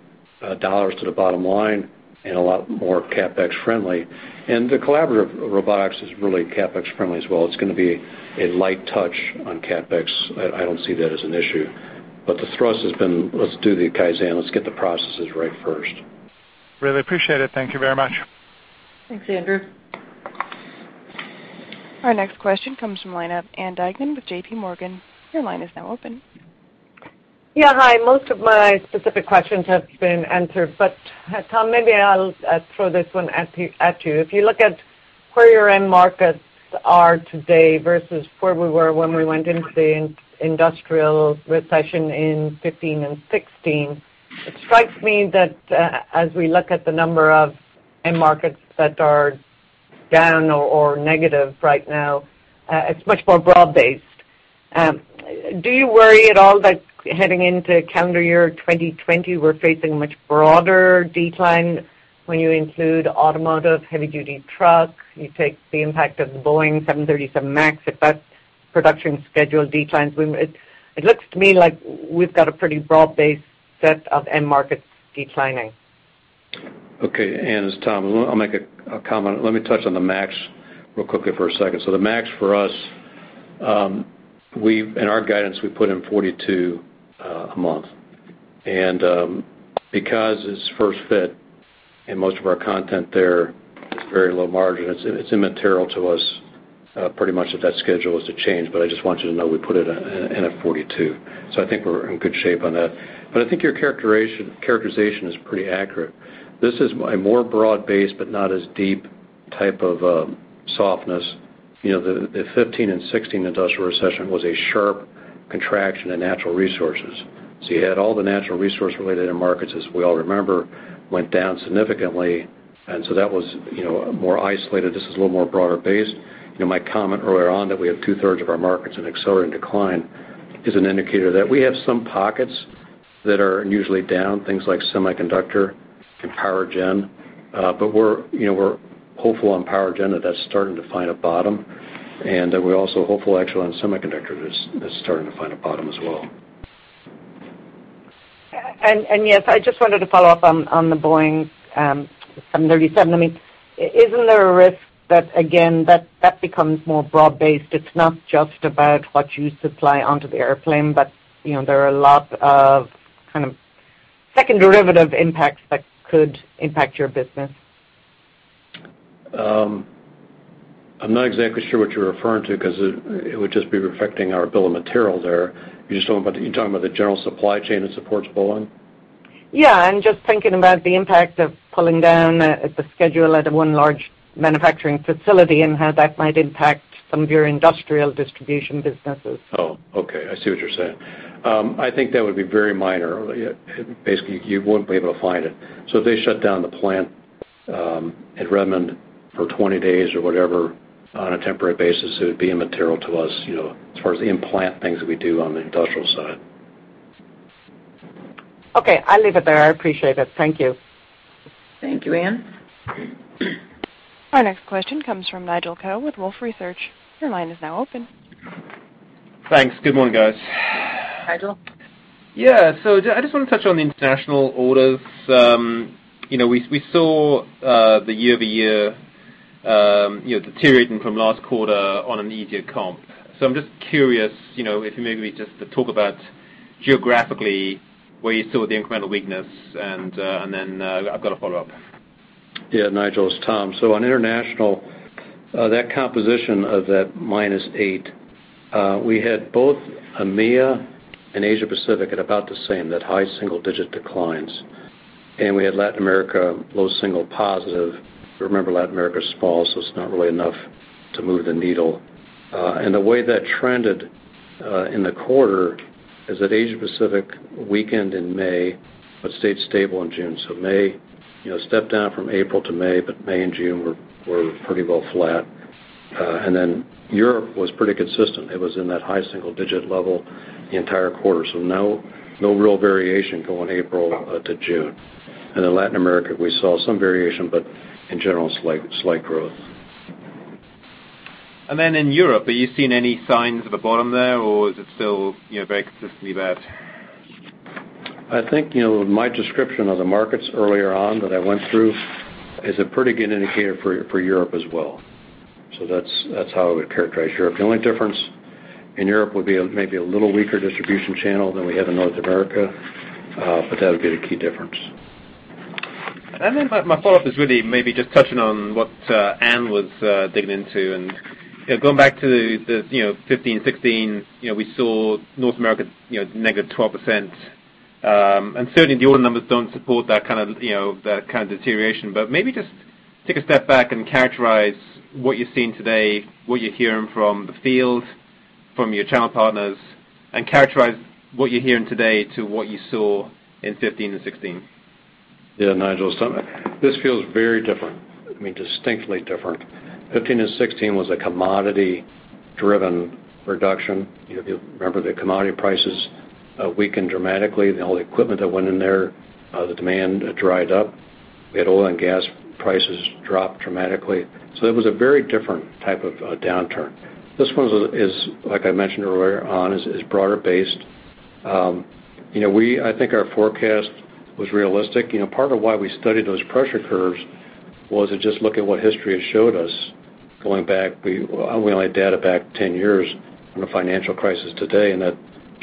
S3: dollars to the bottom line and a lot more CapEx friendly. The collaborative robotics is really CapEx friendly as well. It's going to be a light touch on CapEx. I don't see that as an issue. The thrust has been, let's do the Kaizen, let's get the processes right first.
S10: Really appreciate it. Thank you very much.
S3: Thanks, Andrew.
S1: Our next question comes from line of Ann Duignan with J.P. Morgan. Your line is now open.
S11: Yeah, hi. Most of my specific questions have been answered, Thomas, maybe I'll throw this one at you. If you look at where your end markets are today versus where we were when we went into the industrial recession in 2015 and 2016, it strikes me that as we look at the number of end markets that are down or negative right now, it's much more broad-based. Do you worry at all that heading into calendar year 2020, we're facing a much broader decline when you include automotive, heavy-duty truck, you take the impact of the Boeing 737 MAX, if that production schedule declines? It looks to me like we've got a pretty broad-based set of end markets declining.
S3: Okay, Ann, it's Thomas. I'll make a comment. Let me touch on the MAX really quickly for a second. The MAX for us, in our guidance, we put in 42 a month. Because it's first fit in most of our content there, it's very low margin. It's immaterial to us pretty much if that schedule is to change, but I just want you to know we put it in at 42. I think we're in good shape on that. I think your characterization is pretty accurate. This is a more broad-based but not as deep type of softness. The 2015 and 2016 industrial recession was a sharp contraction in natural resources. You had all the natural resource-related end markets, as we all remember, went down significantly, and so that was more isolated. This is a little more broader based. My comment earlier on that we have 2/3 of our markets in accelerating decline is an indicator that we have some pockets that are usually down, things like semiconductor and power gen. We're hopeful on power gen that that's starting to find a bottom, and we're also hopeful actually on semiconductor that it's starting to find a bottom as well.
S11: Yes, I just wanted to follow up on the Boeing 737. Isn't there a risk that, again, that becomes more broad based? It's not just about what you supply onto the airplane, but there are a lot of kind of second derivative impacts that could impact your business.
S3: I'm not exactly sure what you're referring to because it would just be reflecting our bill of material there. Are you talking about the general supply chain that supports Boeing?
S11: Yeah, I'm just thinking about the impact of pulling down the schedule at one large manufacturing facility and how that might impact some of your industrial distribution businesses.
S3: Oh, okay. I see what you're saying. I think that would be very minor. Basically, you wouldn't be able to find it. If they shut down the plant at Renton for 20 days or whatever on a temporary basis, it would be immaterial to us as far as the in-plant things that we do on the industrial side.
S11: Okay. I'll leave it there. I appreciate it. Thank you.
S2: Thank you, Ann.
S1: Our next question comes from Nigel Coe with Wolfe Research. Your line is now open.
S12: Thanks. Good morning, guys.
S2: Nigel.
S12: Yeah. I just want to touch on the international orders. We saw the year-over-year deteriorating from last quarter on an easier comp. I'm just curious, if you maybe just talk about geographically where you saw the incremental weakness, and then I've got a follow-up.
S3: Yeah, Nigel, it's Thomas. On international, that composition of that -8, we had both EMEA and Asia Pacific at about the same, that high single-digit declines. We had Latin America low single positive. Remember, Latin America is small, so it's not really enough to move the needle. The way that trended in the quarter is that Asia Pacific weakened in May but stayed stable in June. May, stepped down from April to May, but May and June were pretty well flat. Europe was pretty consistent. It was in that high single-digit level the entire quarter. No real variation going April to June. Latin America, we saw some variation, but in general, slight growth.
S12: In Europe, are you seeing any signs of a bottom there, or is it still very consistently bad?
S3: I think my description of the markets earlier on that I went through is a pretty good indicator for Europe as well. That's how I would characterize Europe. The only difference in Europe would be maybe a little weaker distribution channel than we have in North America, but that would be the key difference.
S12: My follow-up is really maybe just touching on what Ann was digging into, going back to the 2015, 2016, we saw North America -12%. Certainly, the order numbers don't support that kind of deterioration. Maybe just take a step back and characterize what you're seeing today, what you're hearing from the field, from your channel partners, and characterize what you're hearing today to what you saw in 2015 and 2016.
S3: Yeah, Nigel. This feels very different. I mean, distinctly different. 2015 and 2016 was a commodity-driven reduction. If you remember, the commodity prices weakened dramatically, and all the equipment that went in there, the demand dried up. We had oil and gas prices drop dramatically. It was a very different type of downturn. This one is, like I mentioned earlier on, is broader based. I think our forecast was realistic. Part of why I studied those pressure curves was to just look at what history has showed us going back. We only had data back 10 years from the financial crisis to today, and that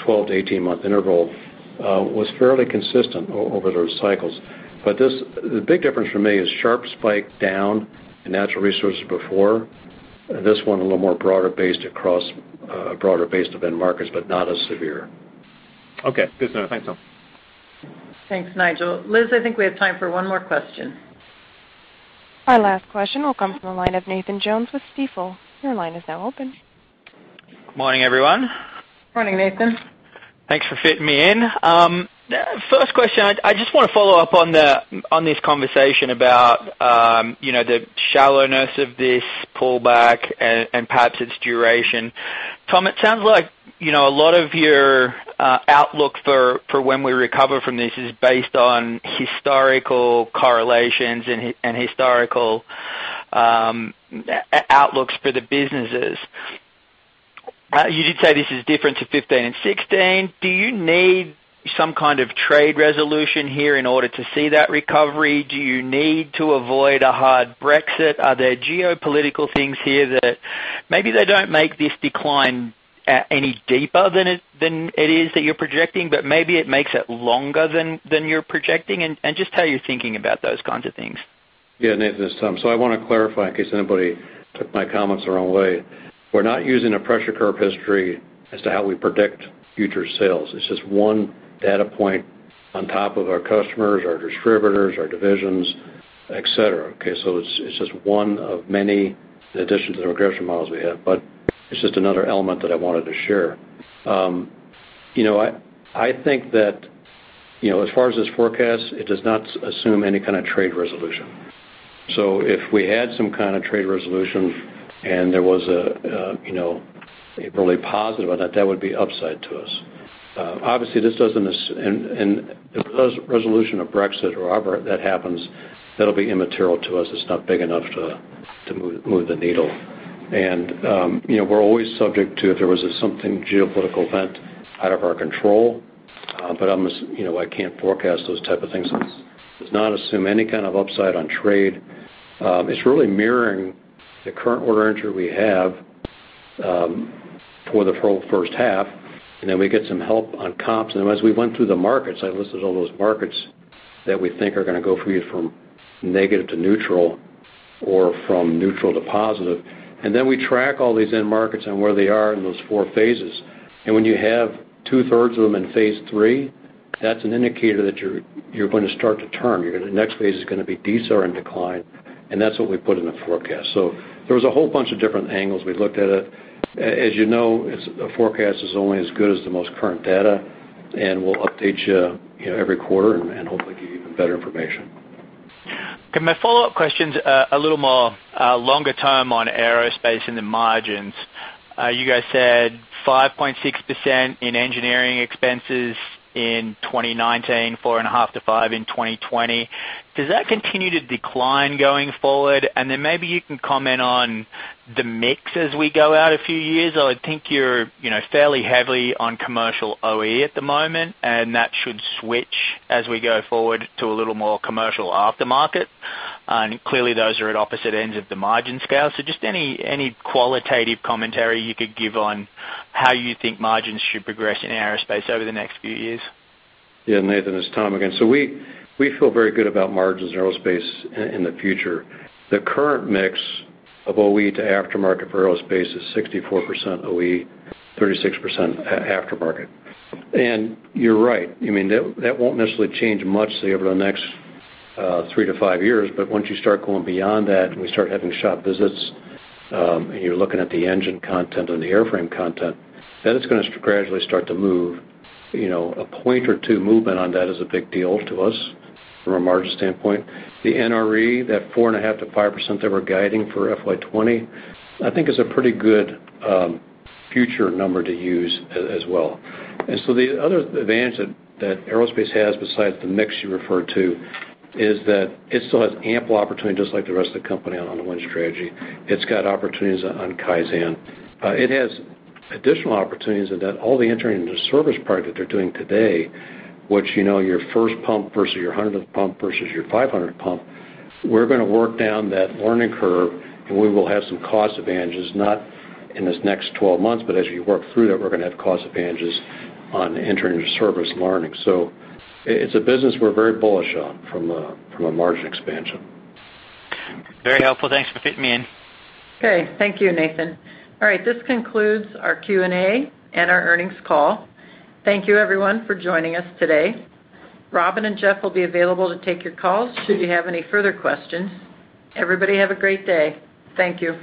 S3: 12 to 18-month interval was fairly consistent over those cycles. The big difference for me is sharp spike down in natural resources before. This one a little more broader based across a broader base of end markets, but not as severe.
S12: Okay. Good to know. Thanks, Thomas.
S2: Thanks, Nigel. Liz, I think we have time for one more question.
S1: Our last question will come from the line of Nathan Jones with Stifel. Your line is now open.
S13: Good morning, everyone.
S2: Morning, Nathan.
S13: Thanks for fitting me in. First question, I just want to follow up on this conversation about the shallowness of this pullback and perhaps its duration. Thomas, it sounds like a lot of your outlook for when we recover from this is based on historical correlations and historical outlooks for the businesses. You did say this is different to 2015 and 2016. Do you need some kind of trade resolution here in order to see that recovery? Do you need to avoid a hard Brexit? Are there geopolitical things here that maybe they don't make this decline any deeper than it is that you're projecting, but maybe it makes it longer than you're projecting? Just how you're thinking about those kinds of things.
S3: Yeah, Nathan, this is Thomas. I want to clarify in case anybody took my comments the wrong way. We're not using a pressure curve history as to how we predict future sales. It's just one data point on top of our customers, our distributors, our divisions, et cetera. Okay, it's just one of many in addition to the regression models we have, but it's just another element that I wanted to share. I think that, as far as this forecast, it does not assume any kind of trade resolution. If we had some kind of trade resolution and there was a really positive on that would be upside to us. Obviously, if resolution of Brexit or however that happens, that'll be immaterial to us. It's not big enough to move the needle. We're always subject to it if there was something geopolitical event out of our control. I can't forecast those type of things. Does not assume any kind of upside on trade. It's really mirroring the current order entry we have for the first half, and then we get some help on comps. As we went through the markets, I listed all those markets that we think are going to go for you from negative to neutral or from neutral to positive. We track all these end markets and where they are in those four phases. When you have two-thirds of them in phase 3, that's an indicator that you're going to start to turn. Your next phase is going to be decelerate and decline, and that's what we put in the forecast. There was a whole bunch of different angles we looked at it. As you know, a forecast is only as good as the most current data, and we'll update you every quarter and hopefully give you even better information.
S13: Okay, my follow-up question's a little more longer term on Aerospace and the margins. You guys said 5.6% in engineering expenses in 2019, 4.5%-5% in 2020. Does that continue to decline going forward? Maybe you can comment on the mix as we go out a few years. I would think you're fairly heavily on commercial OE at the moment, and that should switch as we go forward to a little more commercial aftermarket. Clearly, those are at opposite ends of the margin scale. Just any qualitative commentary you could give on how you think margins should progress in Aerospace over the next few years.
S3: Yeah, Nathan, it's Thomas again. We feel very good about margins in aerospace in the future. The current mix of OE to aftermarket for aerospace is 64% OE, 36% aftermarket. You're right, that won't necessarily change much over the next three to five years. Once you start going beyond that we start having shop visits, you're looking at the engine content and the airframe content, it's going to gradually start to move. A point or two movement on that is a big deal to us from a margin standpoint. The NRE, that 4.5%-5% that we're guiding for FY 2020, I think is a pretty good future number to use as well. The other advantage that aerospace has besides the mix you referred to is that it still has ample opportunity, just like the rest of the company on the Win Strategy. It's got opportunities on Kaizen. It has additional opportunities in that all the entry into service part that they're doing today, which your first pump versus your 100th pump versus your 500th pump, we're going to work down that learning curve, and we will have some cost advantages, not in this next 12 months, but as you work through that, we're going to have cost advantages on entering your service learning. It's a business we're very bullish on from a margin expansion.
S13: Very helpful. Thanks for fitting me in.
S2: Okay. Thank you, Nathan. All right. This concludes our Q&A and our earnings call. Thank you, everyone, for joining us today. Robin and Jeff will be available to take your calls should you have any further questions. Everybody have a great day. Thank you.